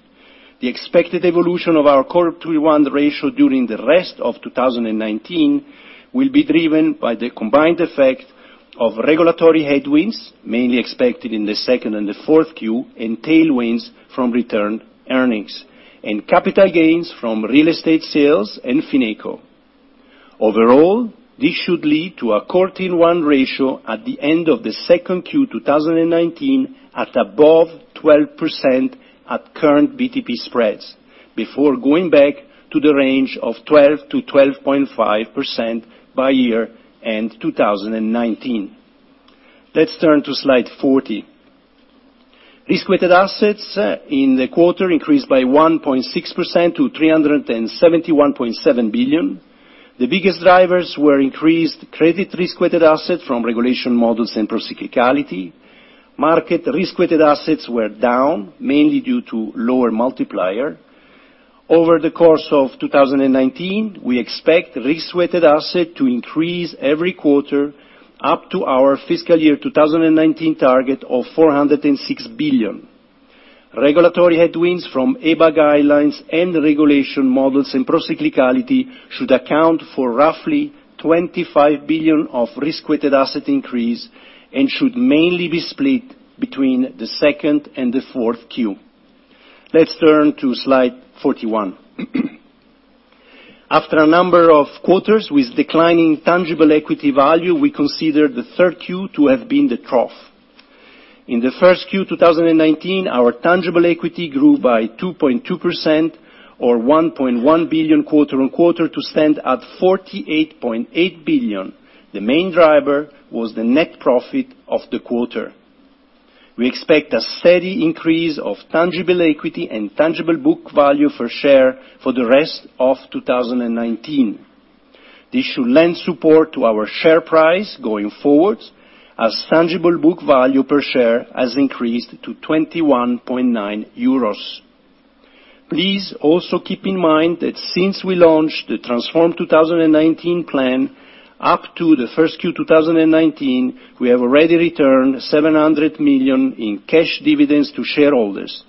The expected evolution of our CET1 ratio during the rest of 2019 will be driven by the combined effect of regulatory headwinds, mainly expected in the second and the fourth Q, tailwinds from return earnings, and capital gains from real estate sales and Fineco. This should lead to a CET1 ratio at the end of the second Q 2019 at above 12% at current BTP spreads, before going back to the range of 12%-12.5% by year end 2019. Let's turn to slide 40. Risk-weighted assets in the quarter increased by 1.6% to 371.7 billion. The biggest drivers were increased credit risk-weighted assets from regulation models and procyclicality. Market risk-weighted assets were down, mainly due to lower multiplier. Over the course of 2019, we expect risk-weighted assets to increase every quarter up to our fiscal year 2019 target of 406 billion. Regulatory headwinds from EBA guidelines and regulation models and procyclicality should account for roughly 25 billion of risk-weighted asset increase and should mainly be split between the second Q and the fourth Q. Let's turn to slide 41. After a number of quarters with declining tangible equity value, we consider the third Q to have been the trough. In the first Q 2019, our tangible equity grew by 2.2% or 1.1 billion quarter-on-quarter to stand at 48.8 billion. The main driver was the net profit of the quarter. We expect a steady increase of tangible equity and tangible book value per share for the rest of 2019. This should lend support to our share price going forward as tangible book value per share has increased to 21.9 euros. Please also keep in mind that since we launched the Transform 2019 plan up to the first Q 2019, we have already returned 700 million in cash dividends to shareholders.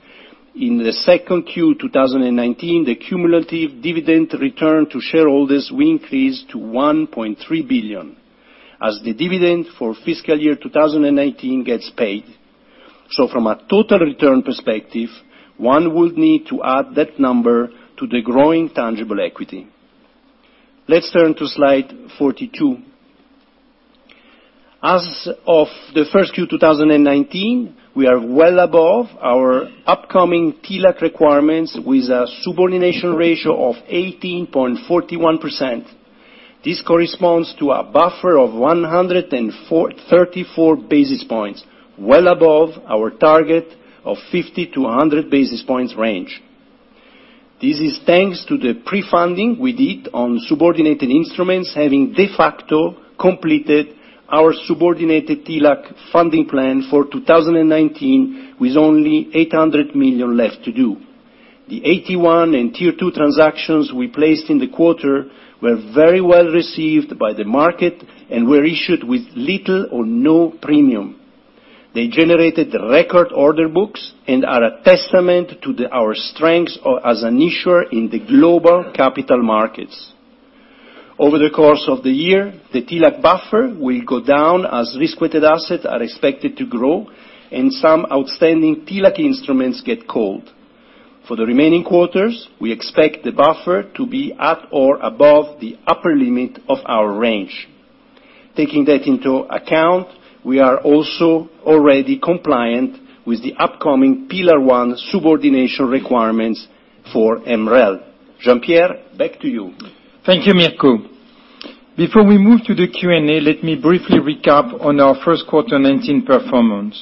In the second Q 2019, the cumulative dividend return to shareholders will increase to 1.3 billion. From a total return perspective, one would need to add that number to the growing tangible equity. Let's turn to slide 42. As of the first Q 2019, we are well above our upcoming TLAC requirements with a subordination ratio of 18.41%. This corresponds to a buffer of 134 basis points, well above our target of 50-100 basis points range. This is thanks to the pre-funding we did on subordinated instruments, having de facto completed our subordinated TLAC funding plan for 2019 with only 800 million left to do. The AT1 and tier 2 transactions we placed in the quarter were very well received by the market and were issued with little or no premium. They generated record order books and are a testament to our strengths as an issuer in the global capital markets. Over the course of the year, the TLAC buffer will go down as risk-weighted assets are expected to grow and some outstanding TLAC instruments get called. For the remaining quarters, we expect the buffer to be at or above the upper limit of our range. Taking that into account, we are also already compliant with the upcoming Pillar 1 subordination requirements for MREL. Jean-Pierre, back to you. Thank you, Mirco. Before we move to the Q&A, let me briefly recap on our first quarter 2019 performance.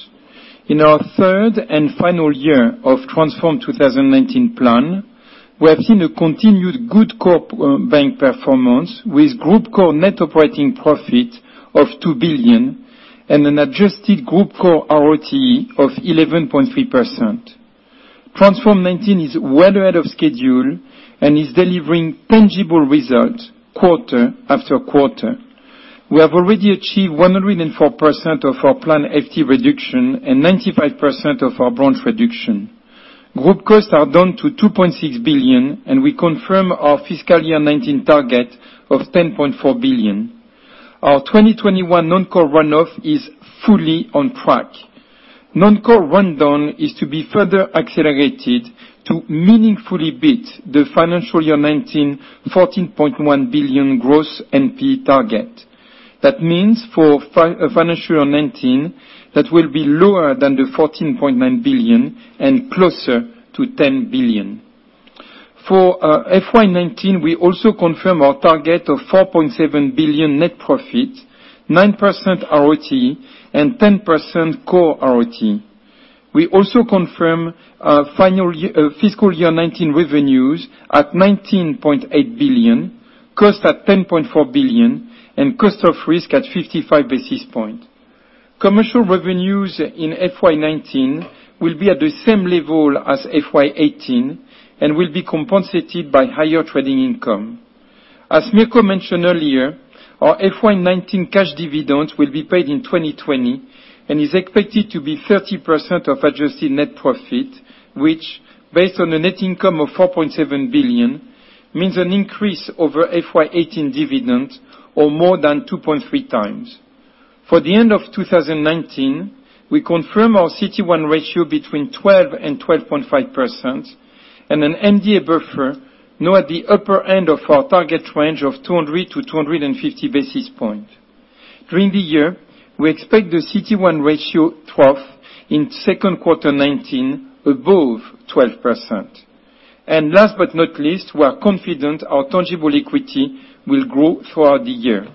In our third and final year of Transform 2019 plan, we have seen a continued good core bank performance, with group core net operating profit of 2 billion, and an adjusted group core ROTE of 11.3%. Transform 2019 is well ahead of schedule and is delivering tangible results quarter after quarter. We have already achieved 104% of our planned FT reduction and 95% of our branch reduction. Group costs are down to 2.6 billion, and we confirm our fiscal year 2019 target of 10.4 billion. Our 2021 non-core runoff is fully on track. Non-core rundown is to be further accelerated to meaningfully beat the financial year 2019 14.1 billion gross NP target. That means for financial year 2019, that will be lower than the 14.9 billion and closer to 10 billion. For FY 2019, we also confirm our target of 4.7 billion net profit, 9% ROE, and 10% core ROE. We also confirm our fiscal year 2019 revenues at 19.8 billion, cost at 10.4 billion, and cost of risk at 55 basis points. Commercial revenues in FY 2019 will be at the same level as FY 2018 and will be compensated by higher trading income. As Mirco mentioned earlier, our FY 2019 cash dividends will be paid in 2020 and is expected to be 30% of adjusted net profit, which, based on a net income of 4.7 billion, means an increase over FY 2018 dividend or more than 2.3 times. For the end of 2019, we confirm our CET1 ratio between 12% and 12.5%, and an MDA buffer now at the upper end of our target range of 200 to 250 basis points. During the year, we expect the CET1 ratio 12 in second quarter 2019 above 12%. Last but not least, we are confident our tangible equity will grow throughout the year.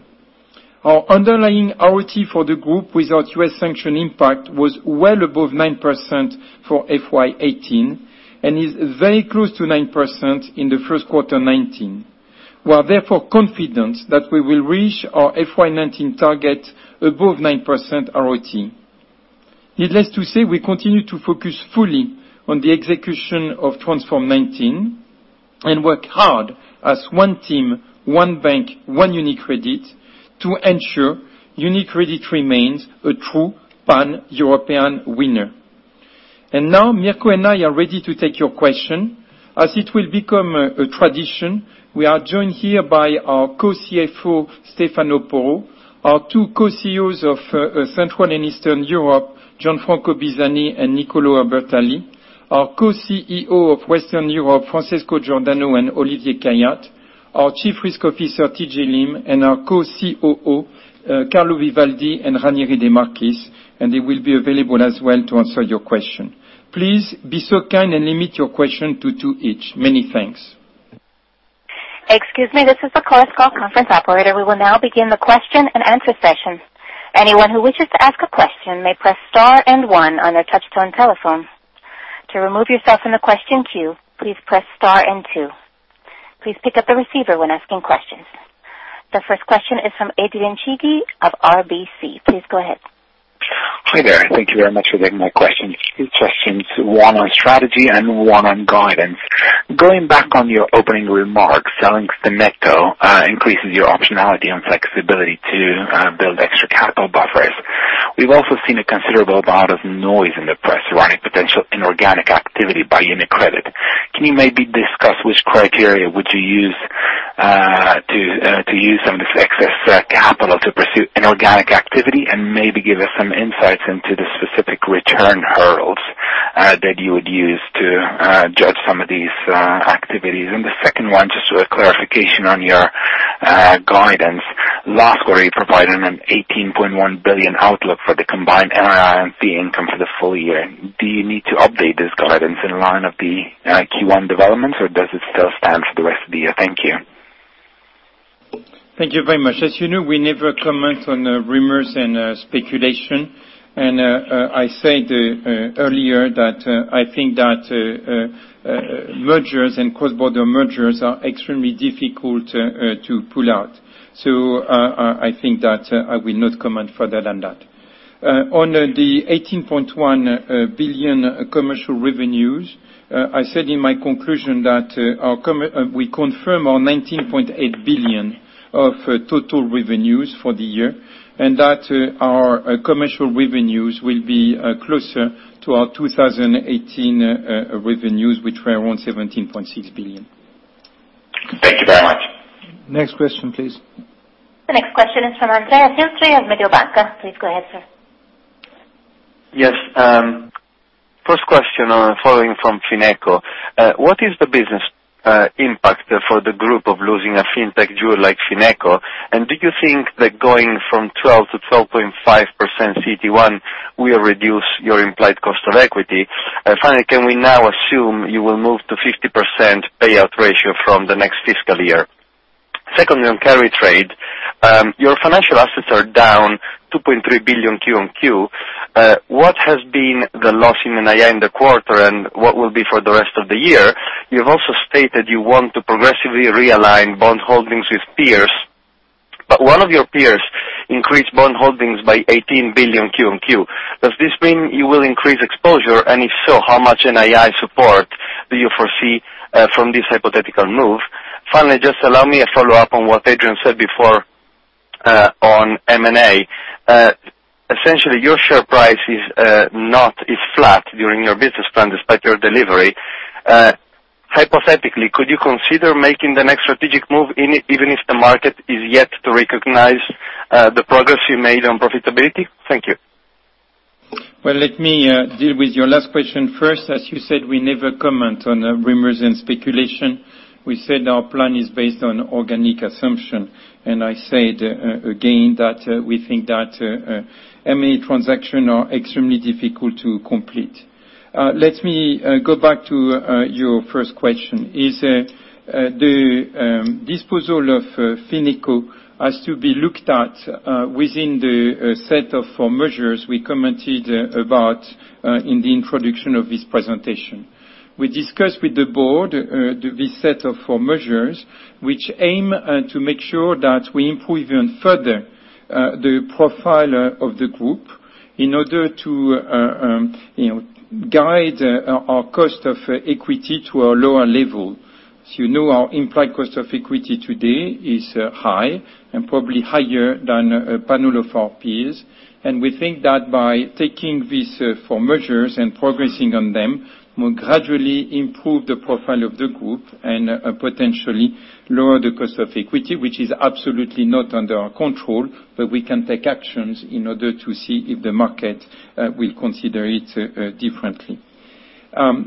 Our underlying ROE for the group without U.S. sanction impact was well above 9% for FY 2018 and is very close to 9% in the first quarter 2019. We are therefore confident that we will reach our FY 2019 target above 9% ROE. Needless to say, we continue to focus fully on the execution of Transform 2019 and work hard as one team, one bank, one UniCredit, to ensure UniCredit remains a true Pan-European winner. Now Mirco and I are ready to take your question. As it will become a tradition, we are joined here by our co-CFO, Stefano Porro, our two co-CEOs of Central and Eastern Europe, Gianfranco Bisagni and Niccolò Ubertalli, our co-CEO of Western Europe, Francesco Giordano and Olivier Khayat, our Chief Risk Officer, T.J. Lim, and our co-COO, Carlo Vivaldi and Ranieri de Marchis, and they will be available as well to answer your question. Please be so kind and limit your question to two each. Many thanks. Excuse me, this is the Chorus Call conference operator. We will now begin the question-and-answer session. Anyone who wishes to ask a question may press star and one on their touch-tone telephone. To remove yourself from the question queue, please press star and two. Please pick up the receiver when asking questions. The first question is from Adrian Cigi of RBC. Please go ahead. Hi there. Thank you very much for taking my question. Two questions, one on strategy and one on guidance. Going back on your opening remarks, selling FinecoBank increases your optionality and flexibility to build extra capital buffers. We've also seen a considerable amount of noise in the press around potential inorganic activity by UniCredit. Can you maybe discuss which criteria would you use to use some of this excess capital to pursue inorganic activity, and maybe give us some insights into the specific return hurdles that you would use to judge some of these activities? The second one, just a clarification on your guidance. Last quarter, you provided an 18.1 billion outlook for the combined NII fee income for the full year. Do you need to update this guidance in line of the Q1 developments, or does it still stand for the rest of the year? Thank you. Thank you very much. As you know, we never comment on rumors and speculation. I said earlier that I think that mergers and cross-border mergers are extremely difficult to pull out. I think that I will not comment further than that. On the 18.1 billion commercial revenues, I said in my conclusion that we confirm our 19.8 billion of total revenues for the year, that our commercial revenues will be closer to our 2018 revenues, which were around 17.6 billion. Thank you very much. Next question, please. The next question is from Andrea Filtri of Mediobanca. Please go ahead, sir. Yes. Following from FinecoBank, what is the business impact for the group of losing a fintech jewel like FinecoBank? Do you think that going from 12% to 12.5% CET1 will reduce your implied cost of equity? Finally, can we now assume you will move to 50% payout ratio from the next fiscal year? Secondly, on carry trade, your financial assets are down 2.3 billion Q on Q. What has been the loss in NII in the quarter, and what will be for the rest of the year? You've also stated you want to progressively realign bond holdings with peers, but one of your peers increased bond holdings by 18 billion Q on Q. Does this mean you will increase exposure? If so, how much NII support do you foresee from this hypothetical move? Finally, just allow me a follow-up on what Adrian said before on M&A. Essentially, your share price is flat during your business plan, despite your delivery. Hypothetically, could you consider making the next strategic move even if the market is yet to recognize the progress you made on profitability? Thank you. Well, let me deal with your last question first. As you said, we never comment on rumors and speculation. I said again that we think that M&A transaction are extremely difficult to complete. Let me go back to your first question, the disposal of FinecoBank has to be looked at within the set of four measures we commented about in the introduction of this presentation. We discussed with the board this set of four measures, which aim to make sure that we improve even further the profile of the group in order to guide our cost of equity to a lower level. You know our implied cost of equity today is high and probably higher than a panel of our peers. We think that by taking these four measures and progressing on them, will gradually improve the profile of the group and potentially lower the cost of equity, which is absolutely not under our control, but we can take actions in order to see if the market will consider it differently.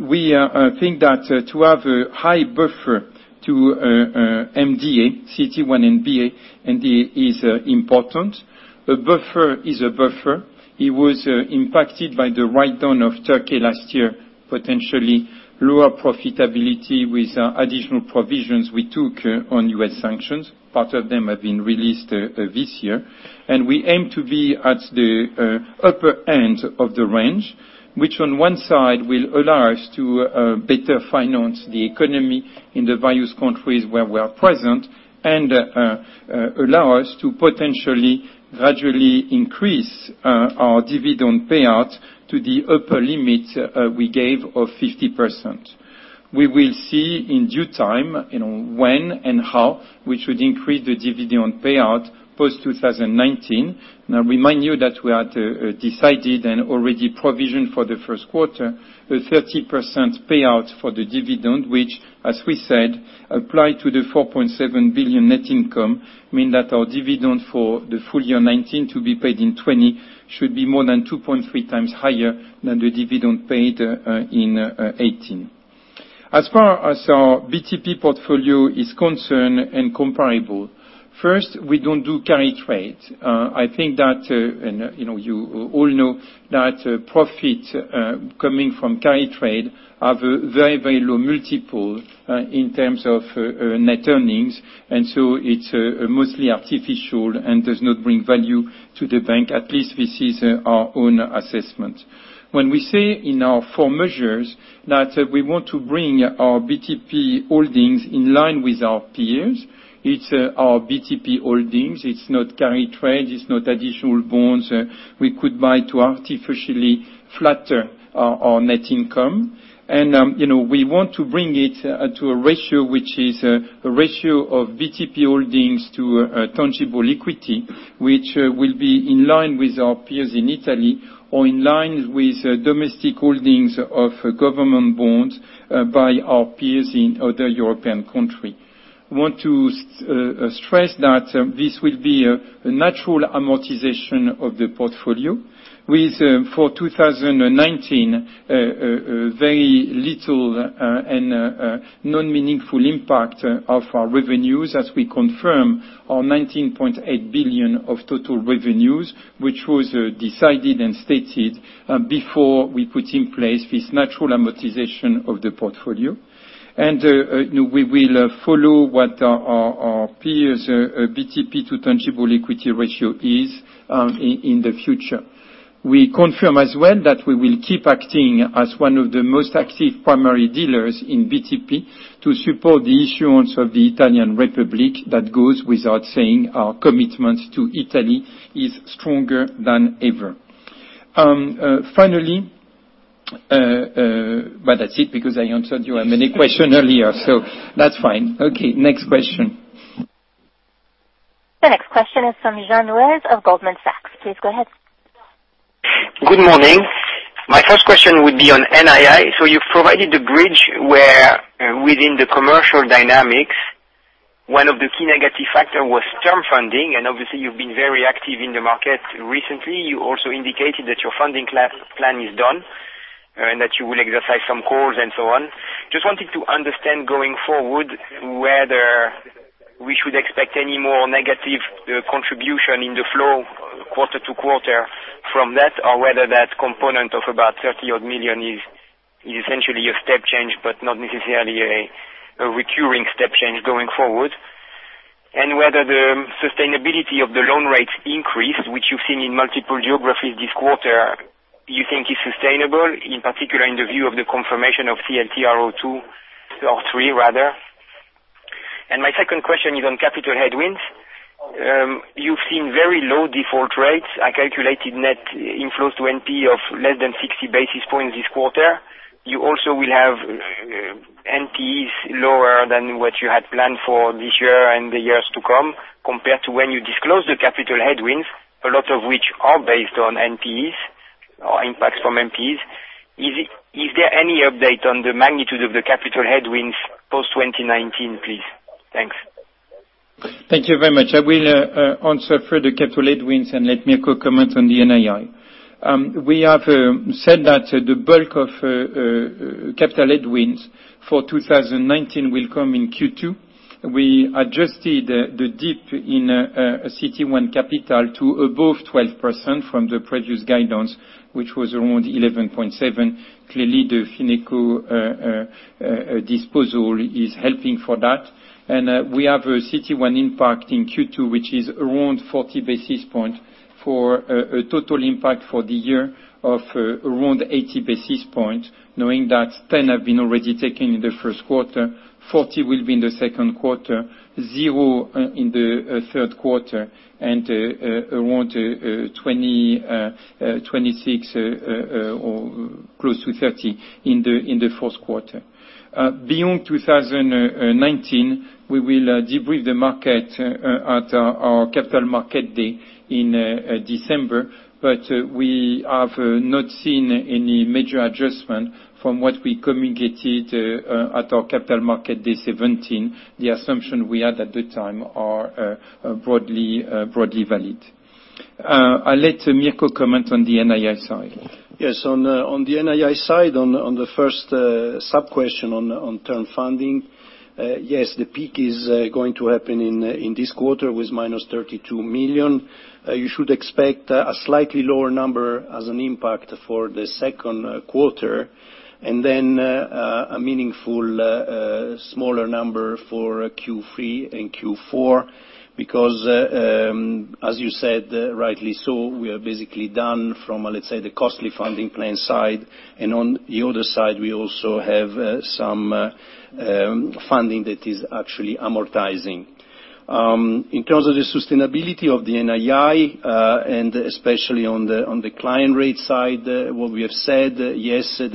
We think that to have a high buffer to MDA, CET1 and BA is important. A buffer is a buffer. It was impacted by the write-down of Turkey last year, potentially lower profitability with additional provisions we took on U.S. sanctions. Part of them have been released this year. We aim to be at the upper end of the range, which on one side will allow us to better finance the economy in the various countries where we are present and allow us to potentially, gradually increase our dividend payout to the upper limit we gave of 50%. We will see in due time when and how we should increase the dividend payout post-2019. Remind you that we had decided and already provisioned for the first quarter, a 30% payout for the dividend, which, as we said, applied to the 4.7 billion net income, mean that our dividend for the full year 2019 to be paid in 2020 should be more than 2.3 times higher than the dividend paid in 2018. As far as our BTP portfolio is concerned and comparable, first, we don't do carry trade. I think that you all know that profit coming from carry trade have a very low multiple in terms of net earnings, so it's mostly artificial and does not bring value to the bank. At least this is our own assessment. When we say in our four measures that we want to bring our BTP holdings in line with our peers, it's our BTP holdings. It's not carry trade, it's not additional bonds we could buy to artificially flatter our net income. We want to bring it to a ratio, which is a ratio of BTP holdings to tangible equity, which will be in line with our peers in Italy or in line with domestic holdings of government bonds by our peers in other European country. want to stress that this will be a natural amortization of the portfolio with for 2019, very little and non-meaningful impact of our revenues as we confirm our 19.8 billion of total revenues, which was decided and stated before we put in place this natural amortization of the portfolio. We will follow what our peers BTP to tangible equity ratio is in the future. We confirm as well that we will keep acting as one of the most active primary dealers in BTP to support the issuance of the Italian Republic. That goes without saying, our commitment to Italy is stronger than ever. Well, that's it, because I answered your many questions earlier, so that's fine. Okay, next question. The next question is from Jean-Louis of Goldman Sachs. Please go ahead. Good morning. My first question would be on NII. You've provided the bridge where within the commercial dynamics One of the key negative factor was term funding, obviously you've been very active in the market recently. You also indicated that your funding plan is done, that you will exercise some calls and so on. I just wanted to understand going forward, whether we should expect any more negative contribution in the flow quarter to quarter from that, or whether that component of about 30 odd million is essentially a step change, but not necessarily a recurring step change going forward. Whether the sustainability of the loan rates increase, which you've seen in multiple geographies this quarter, you think is sustainable, in particular in the view of the confirmation of TLTRO two or three, rather. My second question is on capital headwinds. You've seen very low default rates. I calculated net inflows to NPE of less than 60 basis points this quarter. You also will have NPEs lower than what you had planned for this year and the years to come, compared to when you disclosed the capital headwinds, a lot of which are based on NPEs or impacts from NPEs. Is there any update on the magnitude of the capital headwinds post 2019, please? Thanks. Thank you very much. I will answer for the capital headwinds and let Mirco comment on the NII. We have said that the bulk of capital headwinds for 2019 will come in Q2. We adjusted the dip in CET1 capital to above 12% from the previous guidance, which was around 11.7%. Clearly, the FinecoBank disposal is helping for that. We have a CET1 impact in Q2, which is around 40 basis points for a total impact for the year of around 80 basis points, knowing that ten have been already taken in the first quarter, 40 will be in the second quarter, zero in the third quarter, and around 26 or close to 30 in the fourth quarter. Beyond 2019, we will debrief the market at our Capital Market Day in December. We have not seen any major adjustment from what we communicated at our Capital Market Day 2017. The assumption we had at the time are broadly valid. I'll let Mirco comment on the NII side. On the NII side, on the first sub-question on term funding. The peak is going to happen in this quarter with minus 32 million. You should expect a slightly lower number as an impact for the second quarter. Then a meaningful smaller number for Q3 and Q4 because, as you said rightly so, we are basically done from, let's say, the costly funding plan side. On the other side, we also have some funding that is actually amortizing. In terms of the sustainability of the NII, and especially on the client rate side, what we have said, there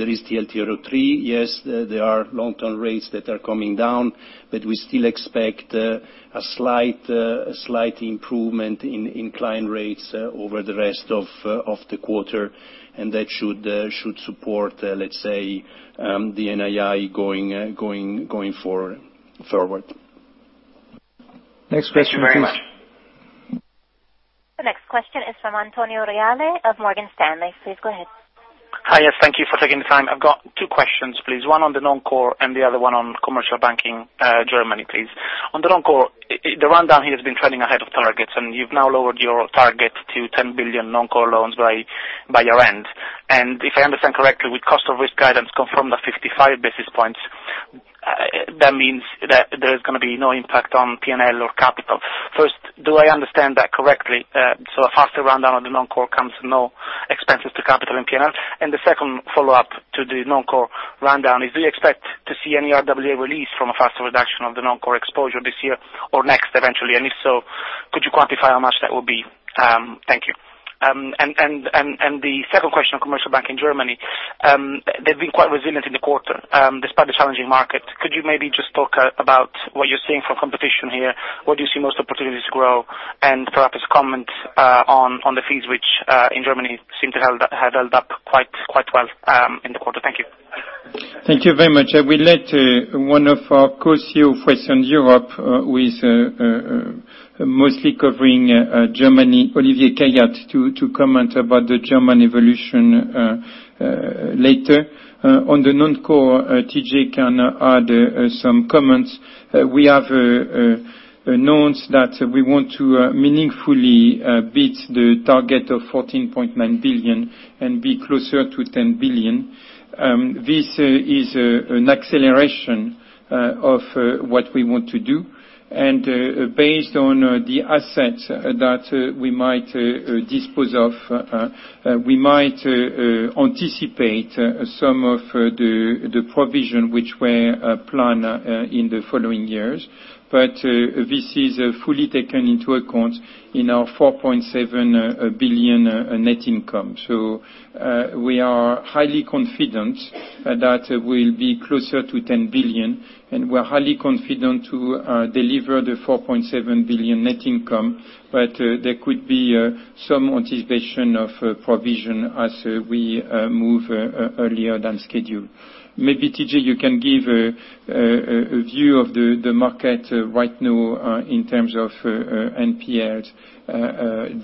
is TLTRO 3. There are long-term rates that are coming down. We still expect a slight improvement in client rates over the rest of the quarter, and that should support, let's say, the NII going forward. Next question, please. Thank you very much. The next question is from Antonio Reale of Morgan Stanley. Please go ahead. Hi. Yes, thank you for taking the time. I have two questions, please. One on the non-core and the other one on Commercial Banking, Germany, please. On the non-core, the rundown here has been trending ahead of targets, and you've now lowered your target to 10 billion non-core loans by year-end. If I understand correctly, with cost of risk guidance confirmed at 55 basis points, that means that there's going to be no impact on P&L or capital. First, do I understand that correctly? A faster rundown of the non-core comes no expenses to capital and P&L. The second follow-up to the non-core rundown is, do you expect to see any RWA release from a faster reduction of the non-core exposure this year or next eventually? If so, could you quantify how much that will be? Thank you. The second question on Commercial Banking in Germany. They've been quite resilient in the quarter, despite the challenging market. Could you maybe just talk about what you're seeing from competition here, where do you see most opportunities to grow, and perhaps comment on the fees which, in Germany, seem to have held up quite well in the quarter? Thank you. Thank you very much. I will let one of our co-CEO of Western Europe, who is mostly covering Germany, Olivier Khayat, to comment about the German evolution later. On the non-core, T.J. can add some comments. We have announced that we want to meaningfully beat the target of 14.9 billion and be closer to 10 billion. This is an acceleration of what we want to do. Based on the assets that we might dispose of, we might anticipate some of the provision which were planned in the following years. This is fully taken into account in our 4.7 billion net income. We are highly confident that we'll be closer to 10 billion, and we're highly confident to deliver the 4.7 billion net income, there could be some anticipation of provision as we move earlier than scheduled. Maybe T.J., you can give a view of the market right now in terms of NPL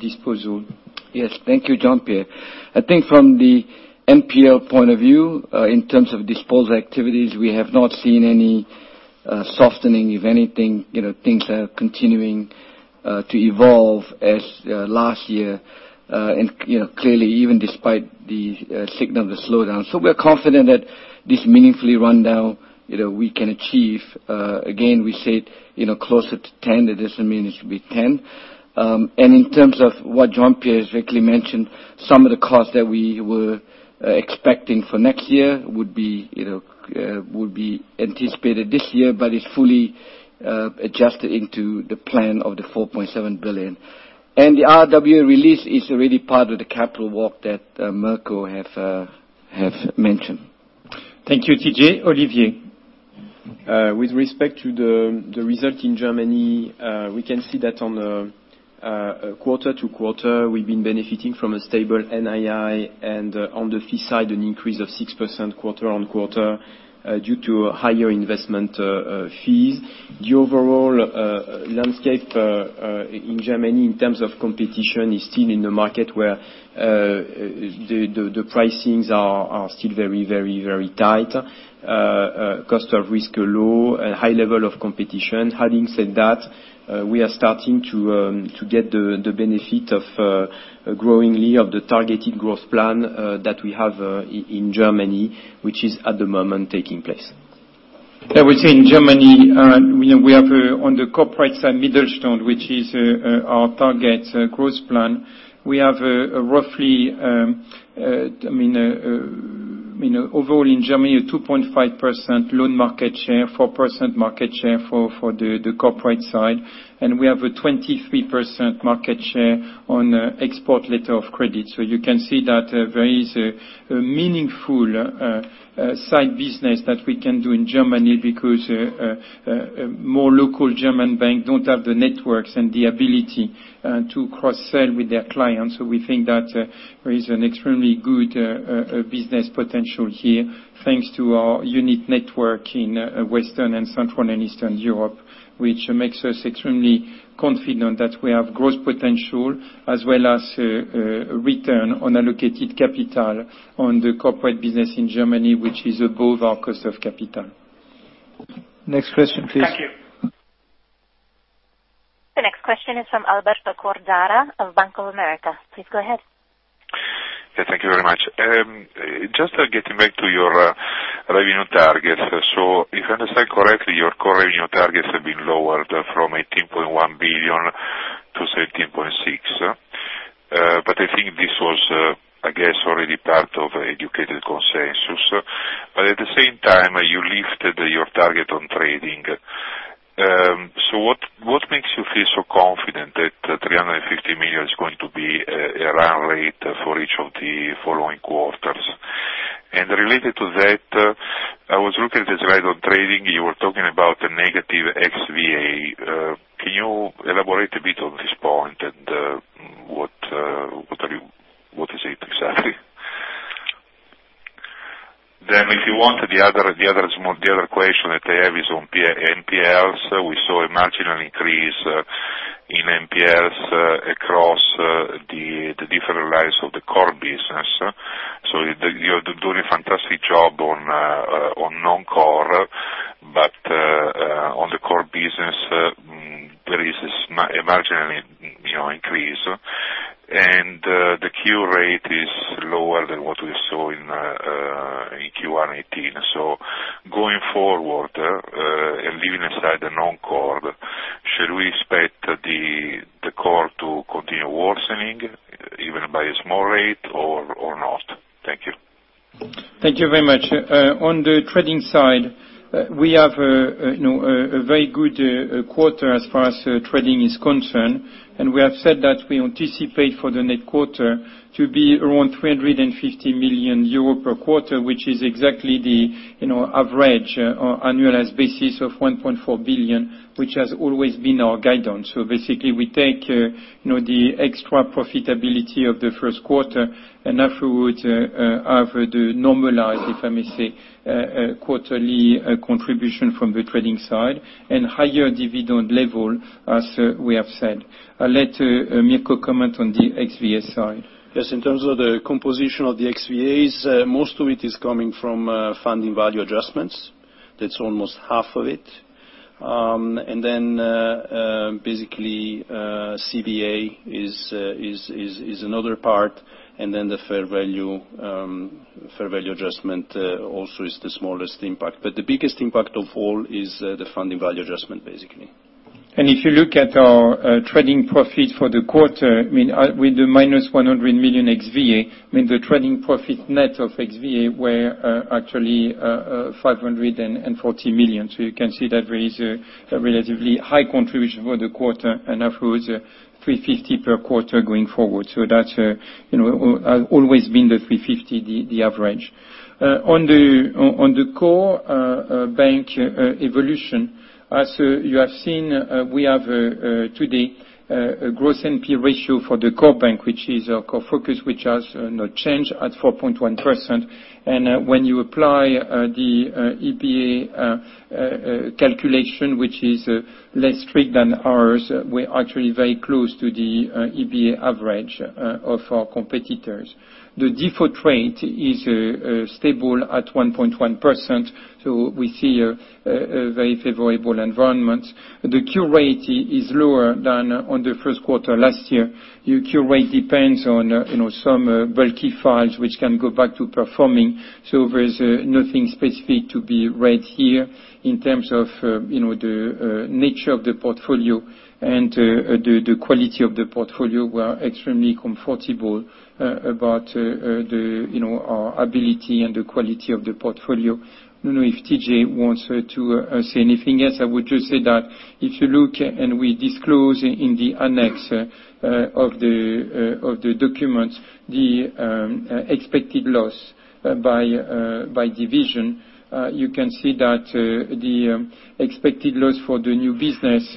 disposal. Yes. Thank you, Jean-Pierre. I think from the NPL point of view, in terms of disposal activities, we have not seen any softening. If anything, things are continuing to evolve as last year, clearly even despite the signal of the slowdown. We're confident that this meaningfully run down, we can achieve. Again, we said closer to 10, it doesn't mean it should be 10. In terms of what Jean-Pierre has rightly mentioned, some of the costs that we were expecting for next year would be anticipated this year, but it's fully adjusted into the plan of the 4.7 billion. The RWA release is really part of the capital work that Mirco have mentioned. Thank you, T.J. Olivier. With respect to the result in Germany, we can see that on a quarter-over-quarter, we've been benefiting from a stable NII, and on the fee side, an increase of 6% quarter-over-quarter due to higher investment fees. The overall landscape in Germany in terms of competition is still in a market where the pricings are still very tight. Cost of risk are low and high level of competition. Having said that, we are starting to get the benefit growingly of the targeted growth plan that we have in Germany, which is at the moment taking place. Yeah. We say in Germany, we have on the corporate side Mittelstand, which is our target growth plan. We have roughly, overall in Germany, a 2.5% loan market share, 4% market share for the corporate side, and we have a 23% market share on export letter of credit. You can see that there is a meaningful side business that we can do in Germany because more local German bank don't have the networks and the ability to cross-sell with their clients. We think that there is an extremely good business potential here thanks to our unique network in Western and Central and Eastern Europe, which makes us extremely confident that we have growth potential as well as a return on allocated capital on the corporate business in Germany, which is above our cost of capital. Next question, please. Thank you. The next question is from Alberto Cordara of Bank of America. Please go ahead. Yeah, thank you very much. Just getting back to your revenue target. If I understand correctly, your core revenue targets have been lowered from 18.1 billion to 17.6 billion. But I think this was, I guess, already part of educated consensus. At the same time, you lifted your target on trading. What makes you feel so confident that 350 million is going to be a run rate for each of the following quarters? Related to that, I was looking at the slide on trading. You were talking about the negative XVAs. Can you elaborate a bit on this point and what is it exactly? If you want, the other question that I have is on NPLs. We saw a marginal increase in NPLs across the different lines of the core business. You're doing a fantastic job on non-core, but on the core business, there is this marginal increase. The cure rate is lower than what we saw in Q1 2018. Going forward, and leaving aside the non-core, should we expect the core to continue worsening even by a small rate or not? Thank you. Thank you very much. On the trading side, we have a very good quarter as far as trading is concerned, and we have said that we anticipate for the net quarter to be around 350 million euro per quarter, which is exactly the average or annualized basis of 1.4 billion, which has always been our guidance. Basically, we take the extra profitability of the first quarter, and afterwards, have the normalized, if I may say, quarterly contribution from the trading side and higher dividend level as we have said. I'll let Mirco comment on the XVAs side. Yes, in terms of the composition of the XVAs, most of it is coming from funding value adjustments. That's almost half of it. CVA is another part, and the fair value adjustment also is the smallest impact. The biggest impact of all is the funding value adjustment. If you look at our trading profit for the quarter, with the minus 100 million XVAs, the trading profit net of XVAs were actually 540 million. You can see that there is a relatively high contribution for the quarter, and afterwards, 350 per quarter going forward. That's always been the 350, the average. On the core bank evolution, as you have seen, we have today a gross NPE ratio for the core bank, which is our core focus, which has no change at 4.1%. When you apply the EBA calculation, which is less strict than ours, we're actually very close to the EBA average of our competitors. The default rate is stable at 1.1%, we see a very favorable environment. The cure rate is lower than on the first quarter last year. Your cure rate depends on some bulky files, which can go back to performing, there's nothing specific to be read here in terms of the nature of the portfolio and the quality of the portfolio. We are extremely comfortable about our ability and the quality of the portfolio. I don't know if TJ wants to say anything else. I would just say that if you look, and we disclose in the annex of the documents, the expected loss by division, you can see that the expected loss for the new business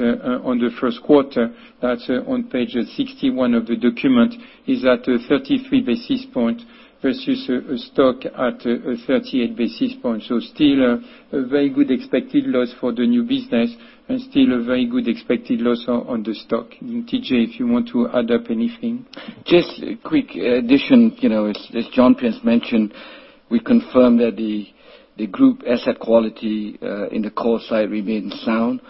on the first quarter, that's on page 61 of the document, is at 33 basis points versus stock at 38 basis points. Still a very good expected loss for the new business and still a very good expected loss on the stock. TJ, if you want to add up anything. Just a quick addition. As Jean has mentioned, we confirm that the group asset quality in the core side remains sound.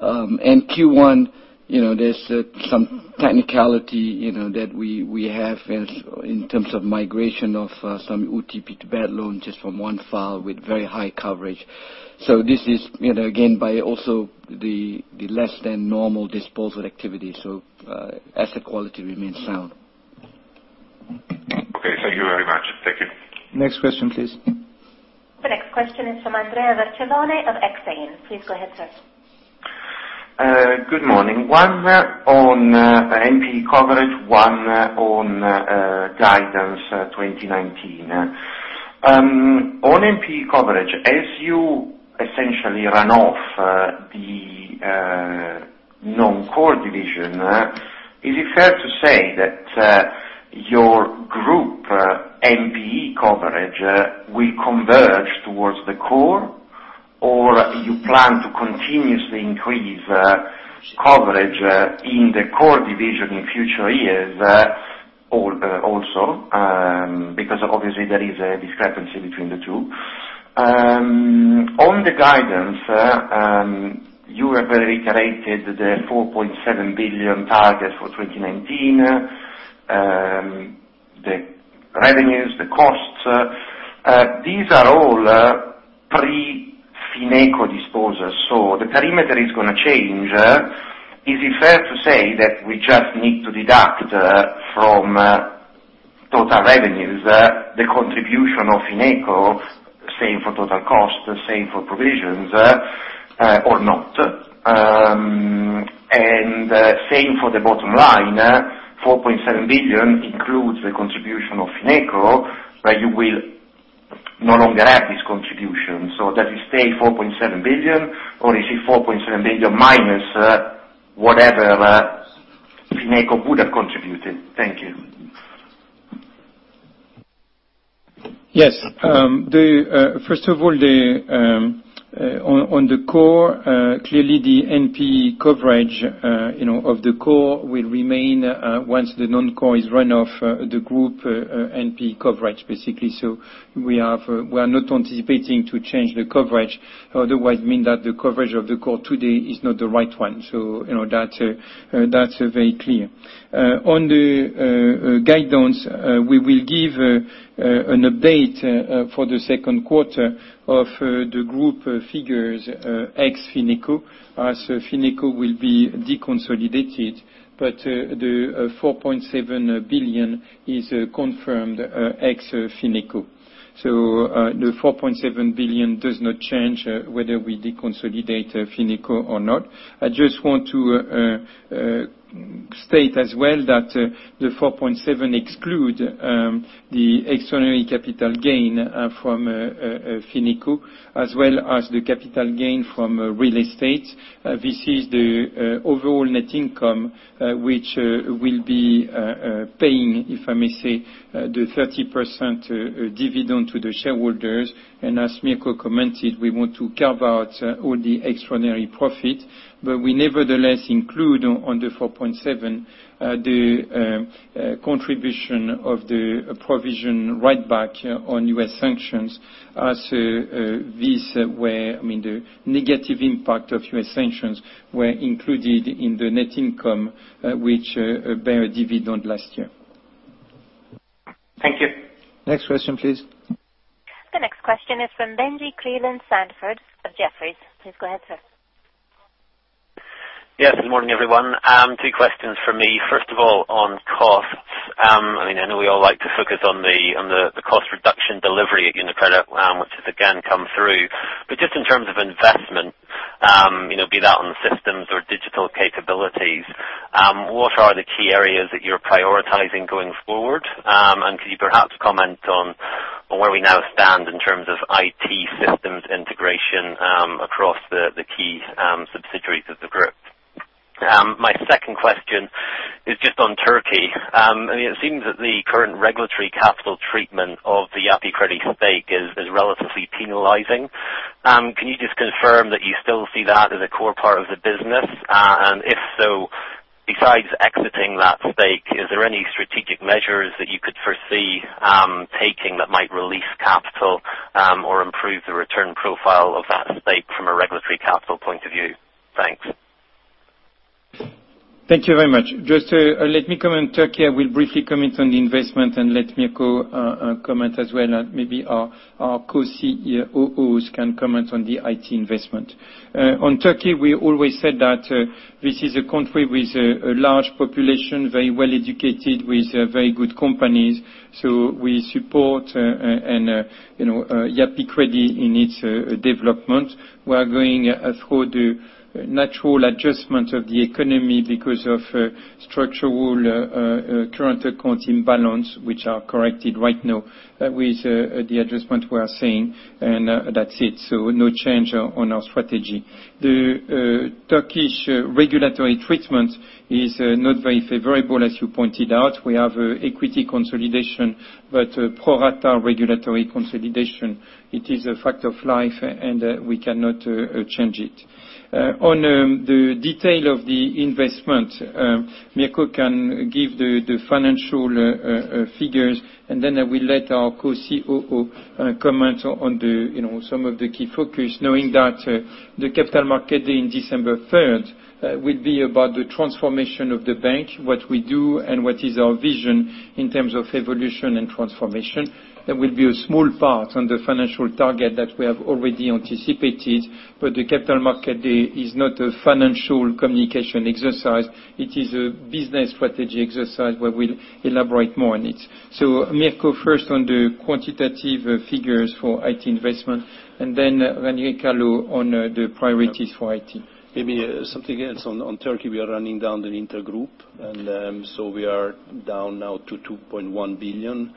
In Q1, there's some technicality that we have in terms of migration of some UTP to bad loans, just from one file with very high coverage. This is, again, by also the less than normal disposal activity. Asset quality remains sound. Okay, thank you very much. Thank you. Next question, please. The next question is from Andrea Vercellone of Exane. Please go ahead, sir. Good morning. One on NPE coverage, one on guidance 2019. On NPE coverage, as you essentially run off the non-core division, is it fair to say that your group NPE coverage will converge towards the core? You plan to continuously increase coverage in the core division in future years also? Obviously there is a discrepancy between the two. On the guidance, you have reiterated the 4.7 billion target for 2019. The revenues, the costs, these are all pre-FinecoBank disposals, so the perimeter is going to change. Is it fair to say that we just need to deduct from total revenues the contribution of FinecoBank, same for total cost, same for provisions, or not? Same for the bottom line, 4.7 billion includes the contribution of FinecoBank, but you will no longer have this contribution. Does it stay 4.7 billion or is it 4.7 billion minus whatever FinecoBank would have contributed? Thank you. Yes. First of all, on the core, clearly the NPE coverage of the core will remain once the non-core is run off the group NPE coverage, basically. We are not anticipating to change the coverage. Otherwise, mean that the coverage of the core today is not the right one. That's very clear. On the guidance, we will give an update for the second quarter of the group figures ex FinecoBank, as FinecoBank will be deconsolidated, but the 4.7 billion is confirmed ex FinecoBank. The 4.7 billion does not change whether we deconsolidate FinecoBank or not. I just want to state as well that the 4.7 exclude the extraordinary capital gain from FinecoBank, as well as the capital gain from real estate. This is the overall net income which will be paying, if I may say, the 30% dividend to the shareholders. As Mirco commented, we want to carve out all the extraordinary profit, but we nevertheless include on the 4.7 the contribution of the provision right back on U.S. sanctions as the negative impact of U.S. sanctions were included in the net income, which bear a dividend last year. Thank you. Next question, please. The next question is from Benjie Creelan-Sandford of Jefferies. Please go ahead, sir. Yes. Good morning, everyone. Two questions from me. First of all, on costs. I know we all like to focus on the cost reduction delivery at UniCredit, which has again come through. Just in terms of investment, be that on systems or digital capabilities, what are the key areas that you're prioritizing going forward? Could you perhaps comment on where we now stand in terms of IT systems integration across the key subsidiaries of the group? My second question is just on Turkey. It seems that the current regulatory capital treatment of the Yapı Kredi stake is relatively penalizing. Can you just confirm that you still see that as a core part of the business? If so, besides exiting that stake, is there any strategic measures that you could foresee taking that might release capital, or improve the return profile of that stake from a regulatory capital point of view? Thanks. Thank you very much. Just let me comment Turkey, I will briefly comment on the investment and let Mirco comment as well. Maybe our co-CEOs can comment on the IT investment. On Turkey, we always said that this is a country with a large population, very well-educated, with very good companies. We support Yapı Kredi in its development. We are going through the natural adjustment of the economy because of structural current account imbalance, which are corrected right now with the adjustment we are seeing, and that's it. No change on our strategy. The Turkish regulatory treatment is not very favorable, as you pointed out. We have equity consolidation, but pro rata regulatory consolidation. It is a fact of life, and we cannot change it. On the detail of the investment, Mirco can give the financial figures, and then I will let our co-COO comment on some of the key focus, knowing that the capital market day on December 3rd will be about the transformation of the bank, what we do, and what is our vision in terms of evolution and transformation. There will be a small part on the financial target that we have already anticipated, but the capital market day is not a financial communication exercise. It is a business strategy exercise where we'll elaborate more on it. Mirco, first on the quantitative figures for IT investment, and then Ranieri, Carlo on the priorities for IT. Maybe something else on Turkey, we are running down the intragroup, we are down now to 2.1 billion.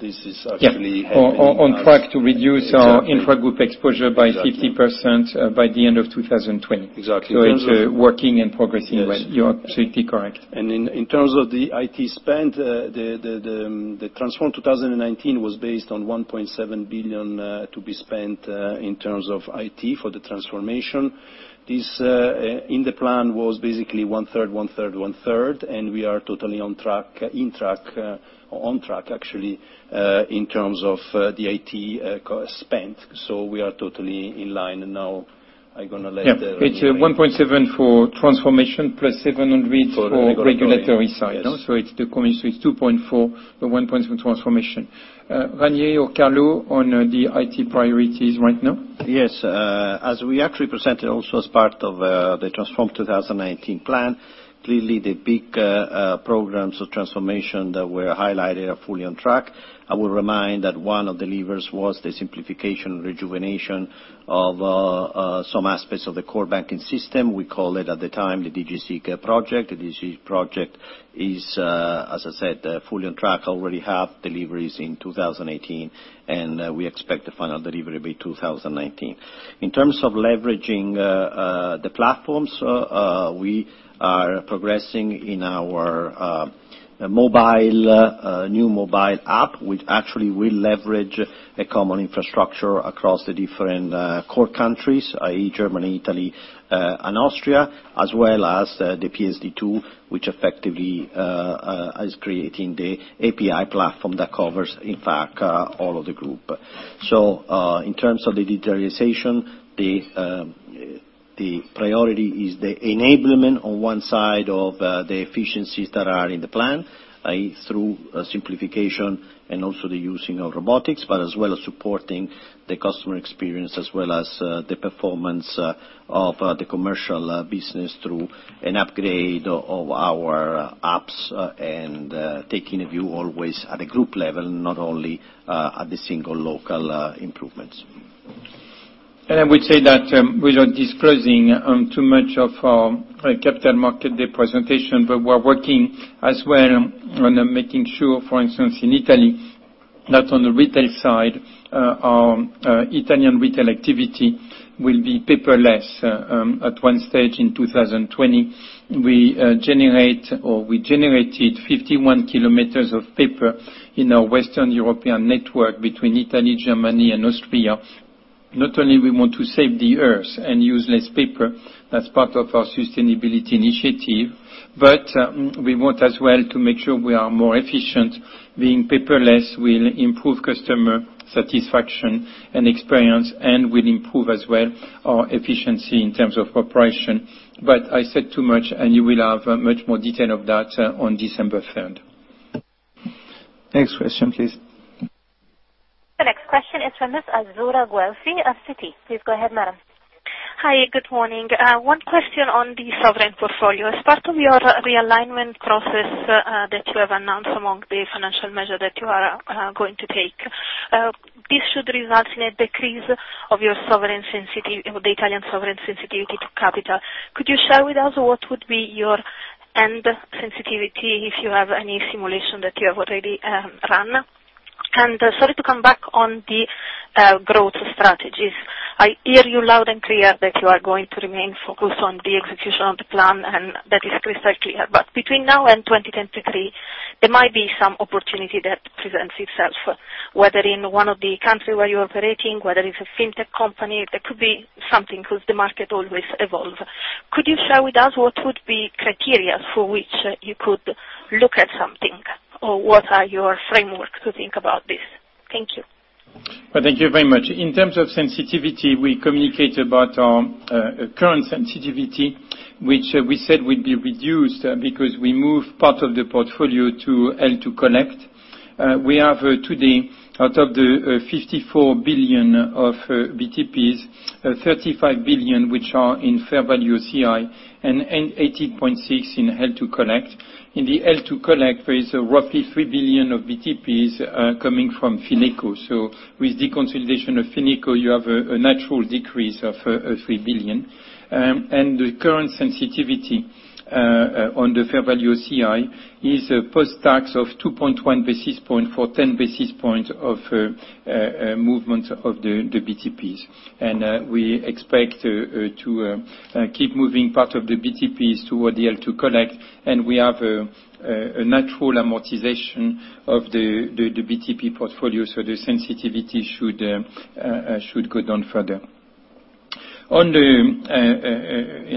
This is actually happening- Yeah. On track to reduce our intragroup exposure by 50% by the end of 2020. Exactly. It's working and progressing well. Yes. You're absolutely correct. In terms of the IT spend, the Transform 2019 was based on 1.7 billion to be spent in terms of IT for the transformation. This in the plan was basically one third, one third, one third, and we are totally on track actually, in terms of the IT spend. We are totally in line, and now I'm going to let Ranieri. Yeah. It's 1.7 for transformation plus 700 for regulatory side. It's 2.4, the 1.7 transformation. Ranieri Carlo on the IT priorities right now. Yes. As we actually presented also as part of the Transform 2019 plan, clearly the big programs of transformation that were highlighted are fully on track. I will remind that one of the levers was the simplification and rejuvenation of some aspects of the core banking system. We called it at the time the DGCE project. The DGCE project is, as I said, fully on track, already have deliveries in 2018, and we expect the final delivery be 2019. In terms of leveraging the platforms, we are progressing in our new mobile app, which actually will leverage a common infrastructure across the different core countries, i.e., Germany, Italy, and Austria, as well as the PSD2, which effectively is creating the API platform that covers, in fact, all of the group. In terms of the digitalization, the priority is the enablement on one side of the efficiencies that are in the plan, i.e., through simplification and also the using of robotics, but as well as supporting the customer experience, as well as the performance of the commercial business through an upgrade of our apps and taking a view always at a group level, not only at the single local improvements. Without disclosing too much of our capital market day presentation, we're working as well on making sure, for instance, in Italy, that on the retail side, our Italian retail activity will be paperless at one stage in 2020. We generate, or we generated 51 kilometers of paper in our Western European network between Italy, Germany, and Austria. Not only we want to save the Earth and use less paper, that's part of our sustainability initiative. We want as well to make sure we are more efficient. Being paperless will improve customer satisfaction and experience, and will improve as well our efficiency in terms of operation. I said too much, and you will have much more detail of that on December 3rd. Next question, please. Question is from Miss Azzurra Guelfi of Citi. Please go ahead, madam. Hi, good morning. One question on the sovereign portfolio. As part of your realignment process that you have announced among the financial measures that you are going to take, this should result in a decrease of the Italian sovereign sensitivity to capital. Could you share with us what would be your end sensitivity, if you have any simulation that you have already run? Sorry to come back on the growth strategies. I hear you loud and clear that you are going to remain focused on the execution of the plan, and that is crystal clear. Between now and 2023, there might be some opportunity that presents itself, whether in one of the country where you're operating, whether it's a fintech company, there could be something because the market always evolves. Could you share with us what would be criteria for which you could look at something? What are your frameworks to think about this? Thank you. Well, thank you very much. In terms of sensitivity, we communicate about our current sensitivity, which we said would be reduced because we move part of the portfolio to held to collect. We have today, out of the 54 billion of BTPs, 35 billion, which are in FVOCI and 18.6 billion in held to collect. In the held to collect, there is roughly 3 billion of BTPs coming from Fineco. With the consolidation of Fineco, you have a natural decrease of 3 billion. The current sensitivity on the FVOCI is a post-tax of 2.1 basis points for 10 basis points of movement of the BTPs. We expect to keep moving part of the BTPs toward the held to collect, and we have a natural amortization of the BTP portfolio, so the sensitivity should go down further. On the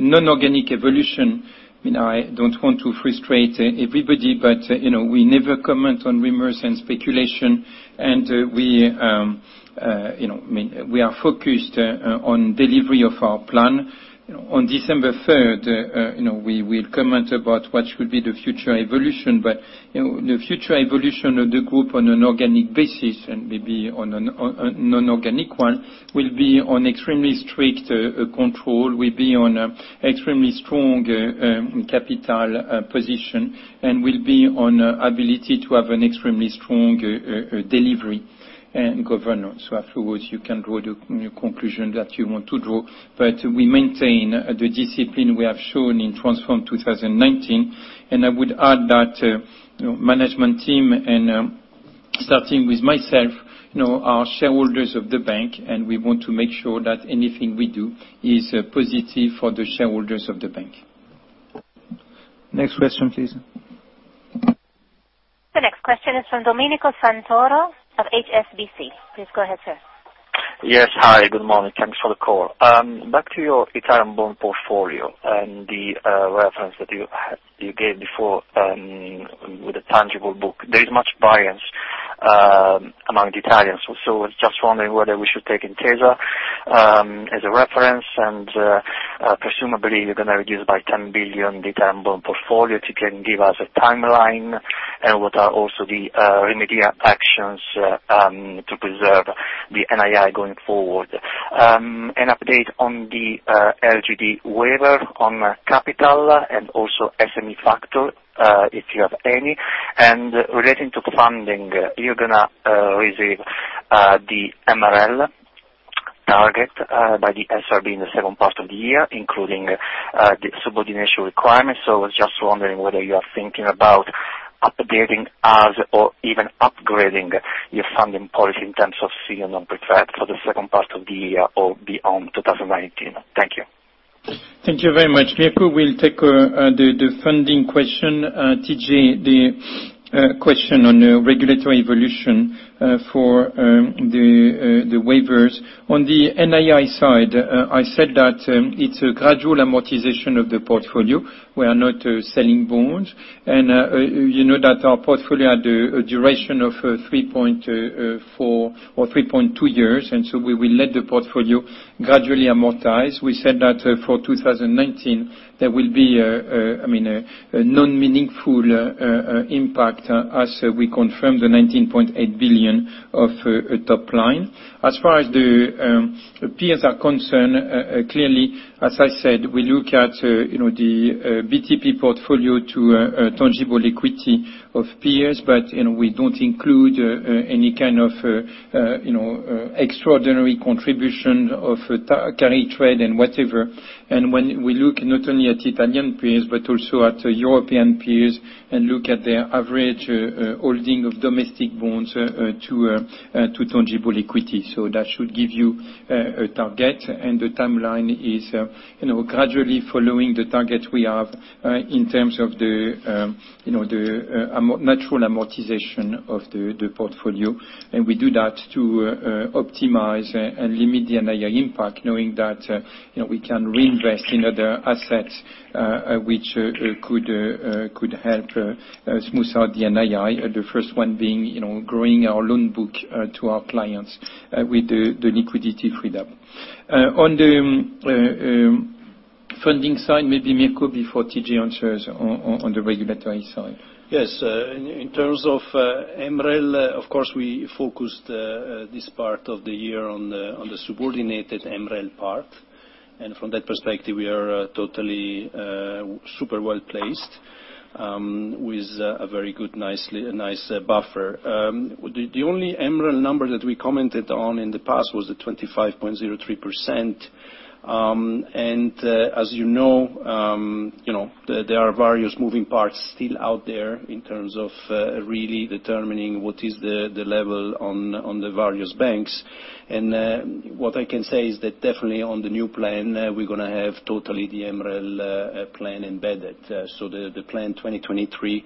non-organic evolution, I don't want to frustrate everybody, but we never comment on rumors and speculation, and we are focused on delivery of our plan. On December 3rd, we will comment about what should be the future evolution. The future evolution of the group on an organic basis and maybe on a non-organic one, will be on extremely strict control, will be on extremely strong capital position, and will be on ability to have an extremely strong delivery and governance. Afterwards, you can draw the conclusion that you want to draw, but we maintain the discipline we have shown in Transform 2019. I would add that management team and starting with myself, are shareholders of the bank, and we want to make sure that anything we do is positive for the shareholders of the bank. Next question, please. The next question is from Domenico Santoro of HSBC. Please go ahead, sir. Yes. Hi, good morning. Thanks for the call. Back to your Italian bond portfolio and the reference that you gave before with the tangible book. There is much variance among Italians. I was just wondering whether we should take Intesa as a reference, presumably you're going to reduce by 10 billion the Italian bond portfolio. If you can give us a timeline, and what are also the remedial actions to preserve the NII going forward. An update on the LGD waiver on capital and also SME factor, if you have any. Relating to funding, you're going to receive the MREL target by the SRB in the second part of the year, including the subordination requirements. I was just wondering whether you are thinking about updating as or even upgrading your funding policy in terms of fee and non-recourse for the second part of the year or beyond 2019. Thank you. Thank you very much. Mirco will take the funding question, T.J., the question on regulatory evolution for the waivers. On the NII side, I said that it's a gradual amortization of the portfolio. We are not selling bonds. You know that our portfolio had a duration of 3.2 years, so we will let the portfolio gradually amortize. We said that for 2019, there will be a non-meaningful impact as we confirm the 19.8 billion of top line. As far as the peers are concerned, clearly, as I said, we look at the BTP portfolio to tangible equity of peers, but we don't include any kind of extraordinary contribution of carry trade and whatever. When we look not only at Italian peers but also at European peers and look at their average holding of domestic bonds to tangible equity. That should give you a target, the timeline is gradually following the target we have in terms of the natural amortization of the portfolio. We do that to optimize and limit the NII impact, knowing that we can reinvest in other assets which could help smooth out the NII. The first one being growing our loan book to our clients with the liquidity freedom. Funding side, maybe Mirco before T.J. answers on the regulatory side. Yes. In terms of MREL, of course, we focused this part of the year on the subordinated MREL part, from that perspective, we are totally super well-placed with a very good, nice buffer. The only MREL number that we commented on in the past was the 25.03%, as you know there are various moving parts still out there in terms of really determining what is the level on the various banks. What I can say is that definitely on the new plan, we're going to have totally the MREL plan embedded. The plan 2023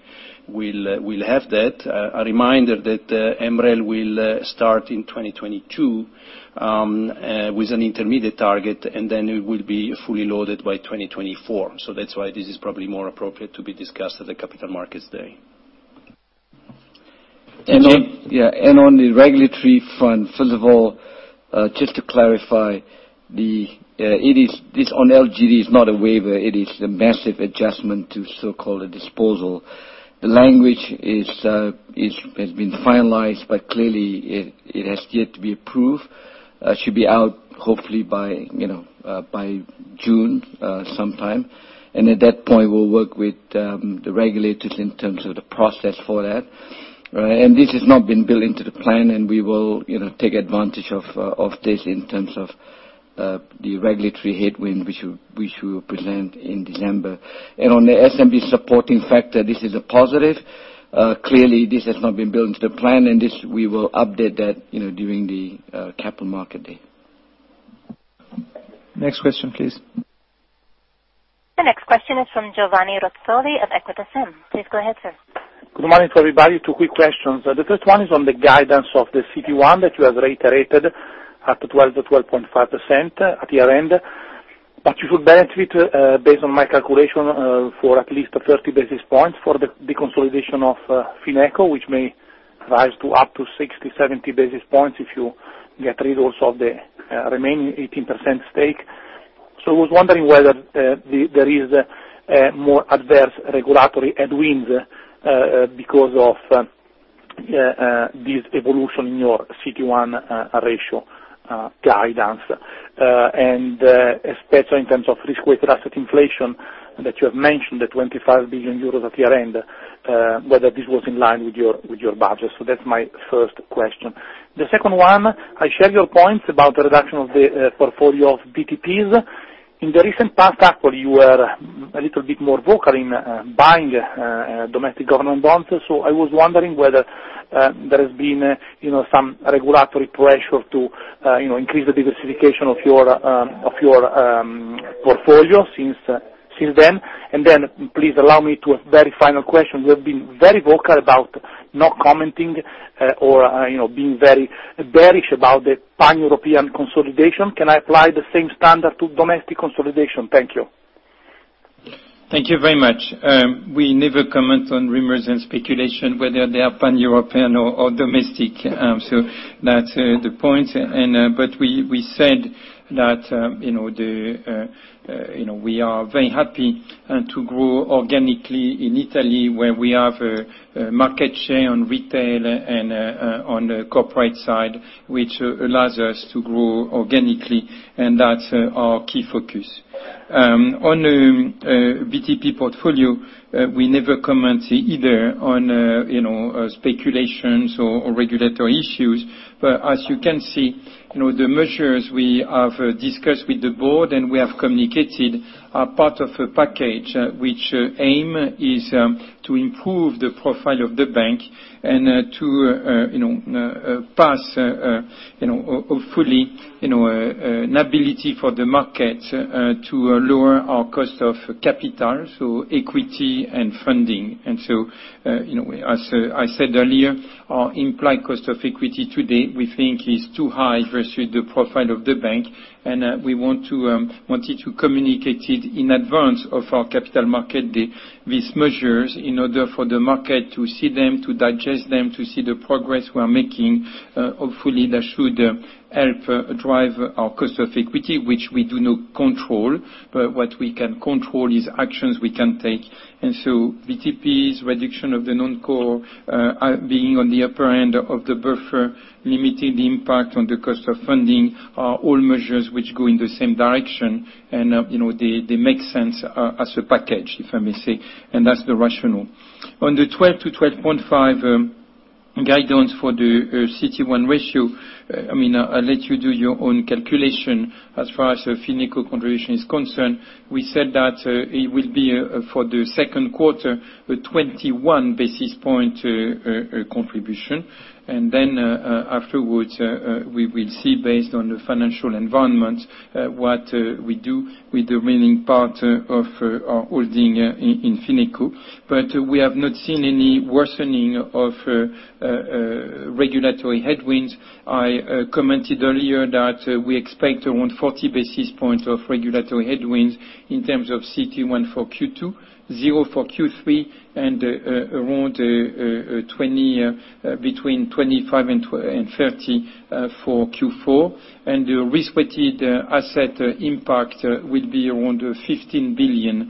will have that. A reminder that MREL will start in 2022 with an intermediate target, then it will be fully loaded by 2024. That's why this is probably more appropriate to be discussed at the Capital Markets Day. On the regulatory front, first of all, just to clarify, this on LGD is not a waiver. It is a massive adjustment to so-called disposal. The language has been finalized, but clearly it has yet to be approved. Should be out hopefully by June, sometime. At that point, we'll work with the regulators in terms of the process for that. Right? This has not been built into the plan, we will take advantage of this in terms of the regulatory headwind, which we will present in December. On the SME supporting factor, this is a positive. Clearly, this has not been built into the plan, this, we will update that during the Capital Markets Day. Next question, please. The next question is from Giovanni Razzoli of Equita SIM. Please go ahead, sir. Good morning to everybody. Two quick questions. The first one is on the guidance of the CET1 that you have reiterated up to 12%-12.5% at year-end. You should benefit, based on my calculation, for at least 30 basis points for the consolidation of FinecoBank, which may rise to up to 60, 70 basis points if you get rid also of the remaining 18% stake. I was wondering whether there is more adverse regulatory headwinds because of this evolution in your CET1 ratio guidance. Especially in terms of risk-weighted asset inflation that you have mentioned, the 25 billion euros at year-end, whether this was in line with your budget. That's my first question. The second one, I share your points about the reduction of the portfolio of BTPs. In the recent past, actually, you were a little bit more vocal in buying domestic government bonds. I was wondering whether there has been some regulatory pressure to increase the diversification of your portfolio since then. Please allow me to a very final question. You have been very vocal about not commenting or being very bearish about the Pan-European consolidation. Can I apply the same standard to domestic consolidation? Thank you. Thank you very much. We never comment on rumors and speculation, whether they are Pan-European or domestic. That's the point. We said that we are very happy to grow organically in Italy, where we have a market share on retail and on the corporate side, which allows us to grow organically, and that's our key focus. On BTP portfolio, we never comment either on speculations or regulatory issues. As you can see, the measures we have discussed with the board, and we have communicated are part of a package which aim is to improve the profile of the bank and to pass hopefully an ability for the market to lower our cost of capital, so equity and funding. As I said earlier, our implied cost of equity today, we think is too high versus the profile of the bank. We wanted to communicate it in advance of our Capital Market Day, these measures, in order for the market to see them, to digest them, to see the progress we are making. Hopefully, that should help drive our cost of equity, which we do not control. What we can control is actions we can take. BTP's reduction of the non-core, being on the upper end of the buffer, limiting the impact on the cost of funding are all measures which go in the same direction, and they make sense as a package, if I may say, and that's the rationale. On the 12-12.5 guidance for the CET1 ratio, I'll let you do your own calculation as far as the FinecoBank contribution is concerned. We said that it will be for the second quarter, a 21 basis point contribution, then afterwards, we will see based on the financial environment, what we do with the remaining part of our holding in FinecoBank. We have not seen any worsening of regulatory headwinds. I commented earlier that we expect around 40 basis points of regulatory headwinds in terms of CET1 for Q2, zero for Q3, and around between 25 and 30 for Q4. The risk-weighted asset impact will be around 15 billion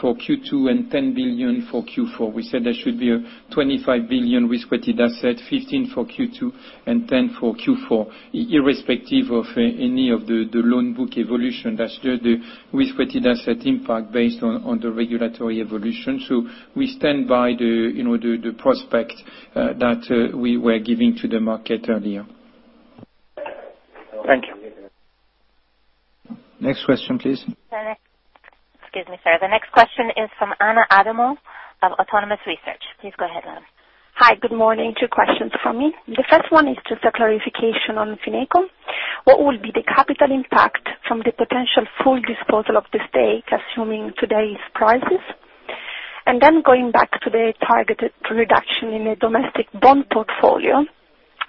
for Q2 and 10 billion for Q4. We said there should be a 25 billion risk-weighted asset, 15 billion for Q2 and 10 billion for Q4, irrespective of any of the loan book evolution. That's the risk-weighted asset impact based on the regulatory evolution. We stand by the prospect that we were giving to the market earlier. Thank you. Next question, please. Excuse me, sir. The next question is from Anna Adamo of Autonomous Research. Please go ahead, Anna. Hi, good morning. Two questions from me. The first one is just a clarification on Fineco. What will be the capital impact from the potential full disposal of the stake, assuming today's prices? Going back to the targeted reduction in the domestic bond portfolio,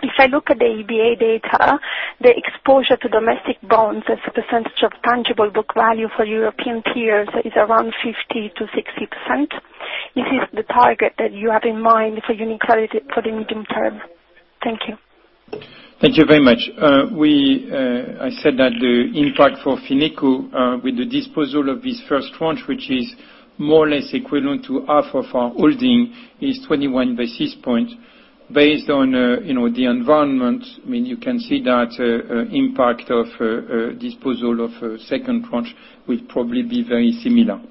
if I look at the EBA data, the exposure to domestic bonds as a percentage of tangible book value for European peers is around 50%-60%. Is this the target that you have in mind for UniCredit for the medium term? Thank you. Thank you very much. I said that the impact for Fineco, with the disposal of this first tranche, which is more or less equivalent to half of our holding, is 21 basis points. Based on the environment, you can see that impact of disposal of second tranche will probably be very similar.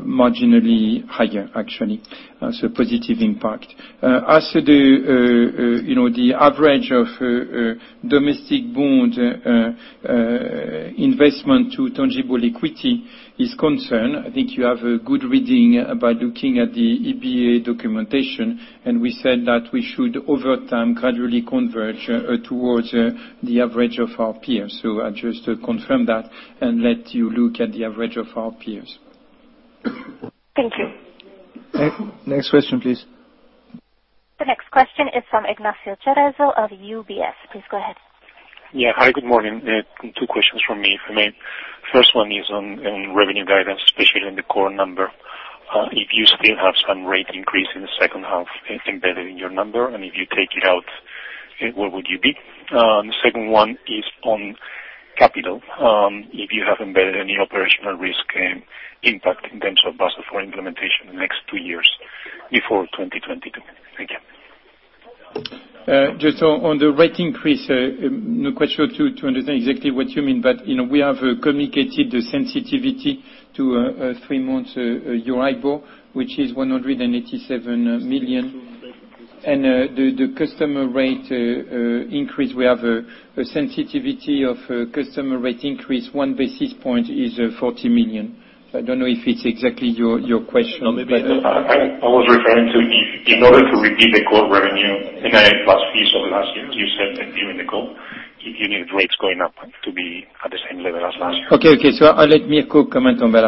Marginally higher, actually. Positive impact. As to the average of domestic bond investment to tangible equity is concerned, I think you have a good reading by looking at the EBA documentation, we said that we should, over time, gradually converge towards the average of our peers. I just confirm that, let you look at the average of our peers. Thank you. Next question, please. The next question is from Ignacio Cerezo of UBS. Please go ahead. Hi, good morning. Two questions from me, if I may. First one is on revenue guidance, especially on the core number. If you still have some rate increase in the second half embedded in your number, and if you take it out, where would you be? Second one is on capital. If you have embedded any operational risk impact in terms of Basel IV implementation next two years before 2022. Thank you. Just on the rate increase, not quite sure to understand exactly what you mean, but we have communicated the sensitivity to three months EURIBOR, which is 187 million. The customer rate increase, we have a sensitivity of customer rate increase, one basis point is 41 million. I don't know if it's exactly your question. I was referring to, in order to repeat the core revenue, NII plus fees over last year, you said during the call, you need rates going up to be at the same level as last year. Okay. Let me co-comment on that.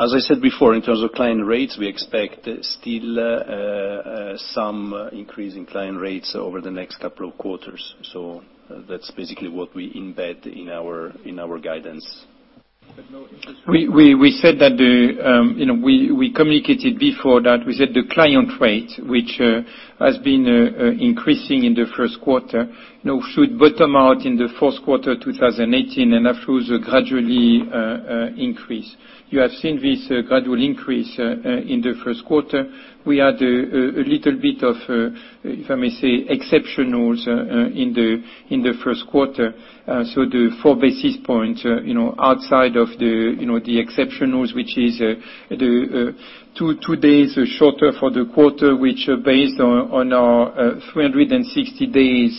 As I said before, in terms of client rates, we expect still some increase in client rates over the next couple of quarters. That's basically what we embed in our guidance. We said that we communicated before that. We said the client rate, which has been increasing in the first quarter, now should bottom out in the fourth quarter 2018, and afterwards gradually increase. You have seen this gradual increase in the first quarter. We had a little bit of, if I may say, exceptionals in the first quarter. The four basis points outside of the exceptionals, which is two days shorter for the quarter, which based on our 360 days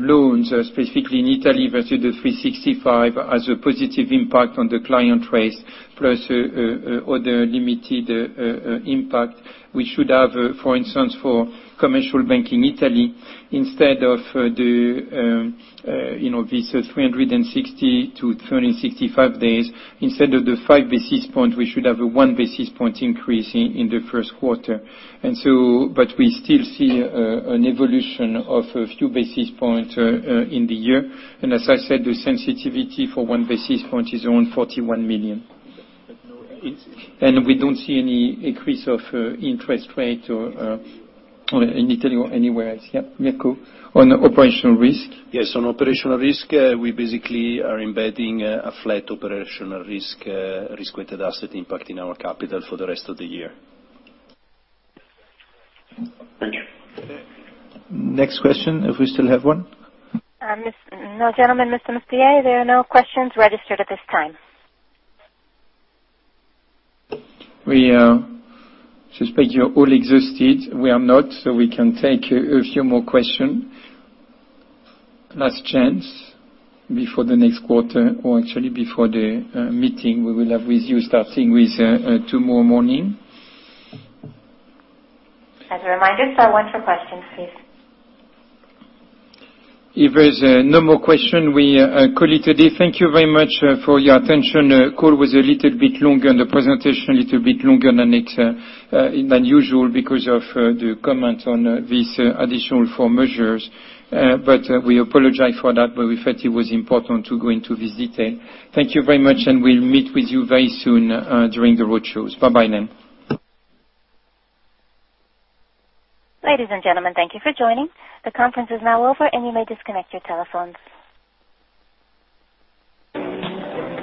loans, specifically in Italy versus the 365, has a positive impact on the client rates, plus other limited impact. We should have, for instance, for commercial bank in Italy, instead of this 360 to 365 days, instead of the five basis point, we should have a one basis point increase in the first quarter. We still see an evolution of a few basis points in the year. As I said, the sensitivity for one basis point is around 41 million. We don't see any increase of interest rate in Italy or anywhere else. Yeah, Mirco, on operational risk? Yes, on operational risk, we basically are embedding a flat operational risk-weighted asset impact in our capital for the rest of the year. Thank you. Next question, if we still have one. No, gentlemen, Mr. Mustier, there are no questions registered at this time. We suspect you're all exhausted. We are not. We can take a few more question. Last chance before the next quarter, actually before the meeting we will have with you, starting with tomorrow morning. As a reminder, sir, one for questions, please. If there's no more question, we call it a day. Thank you very much for your attention. Call was a little bit longer and the presentation a little bit longer than usual because of the comments on these additional four measures. We apologize for that, but we felt it was important to go into this detail. Thank you very much. We'll meet with you very soon during the road shows. Bye-bye then. Ladies and gentlemen, thank you for joining. The conference is now over, and you may disconnect your telephones.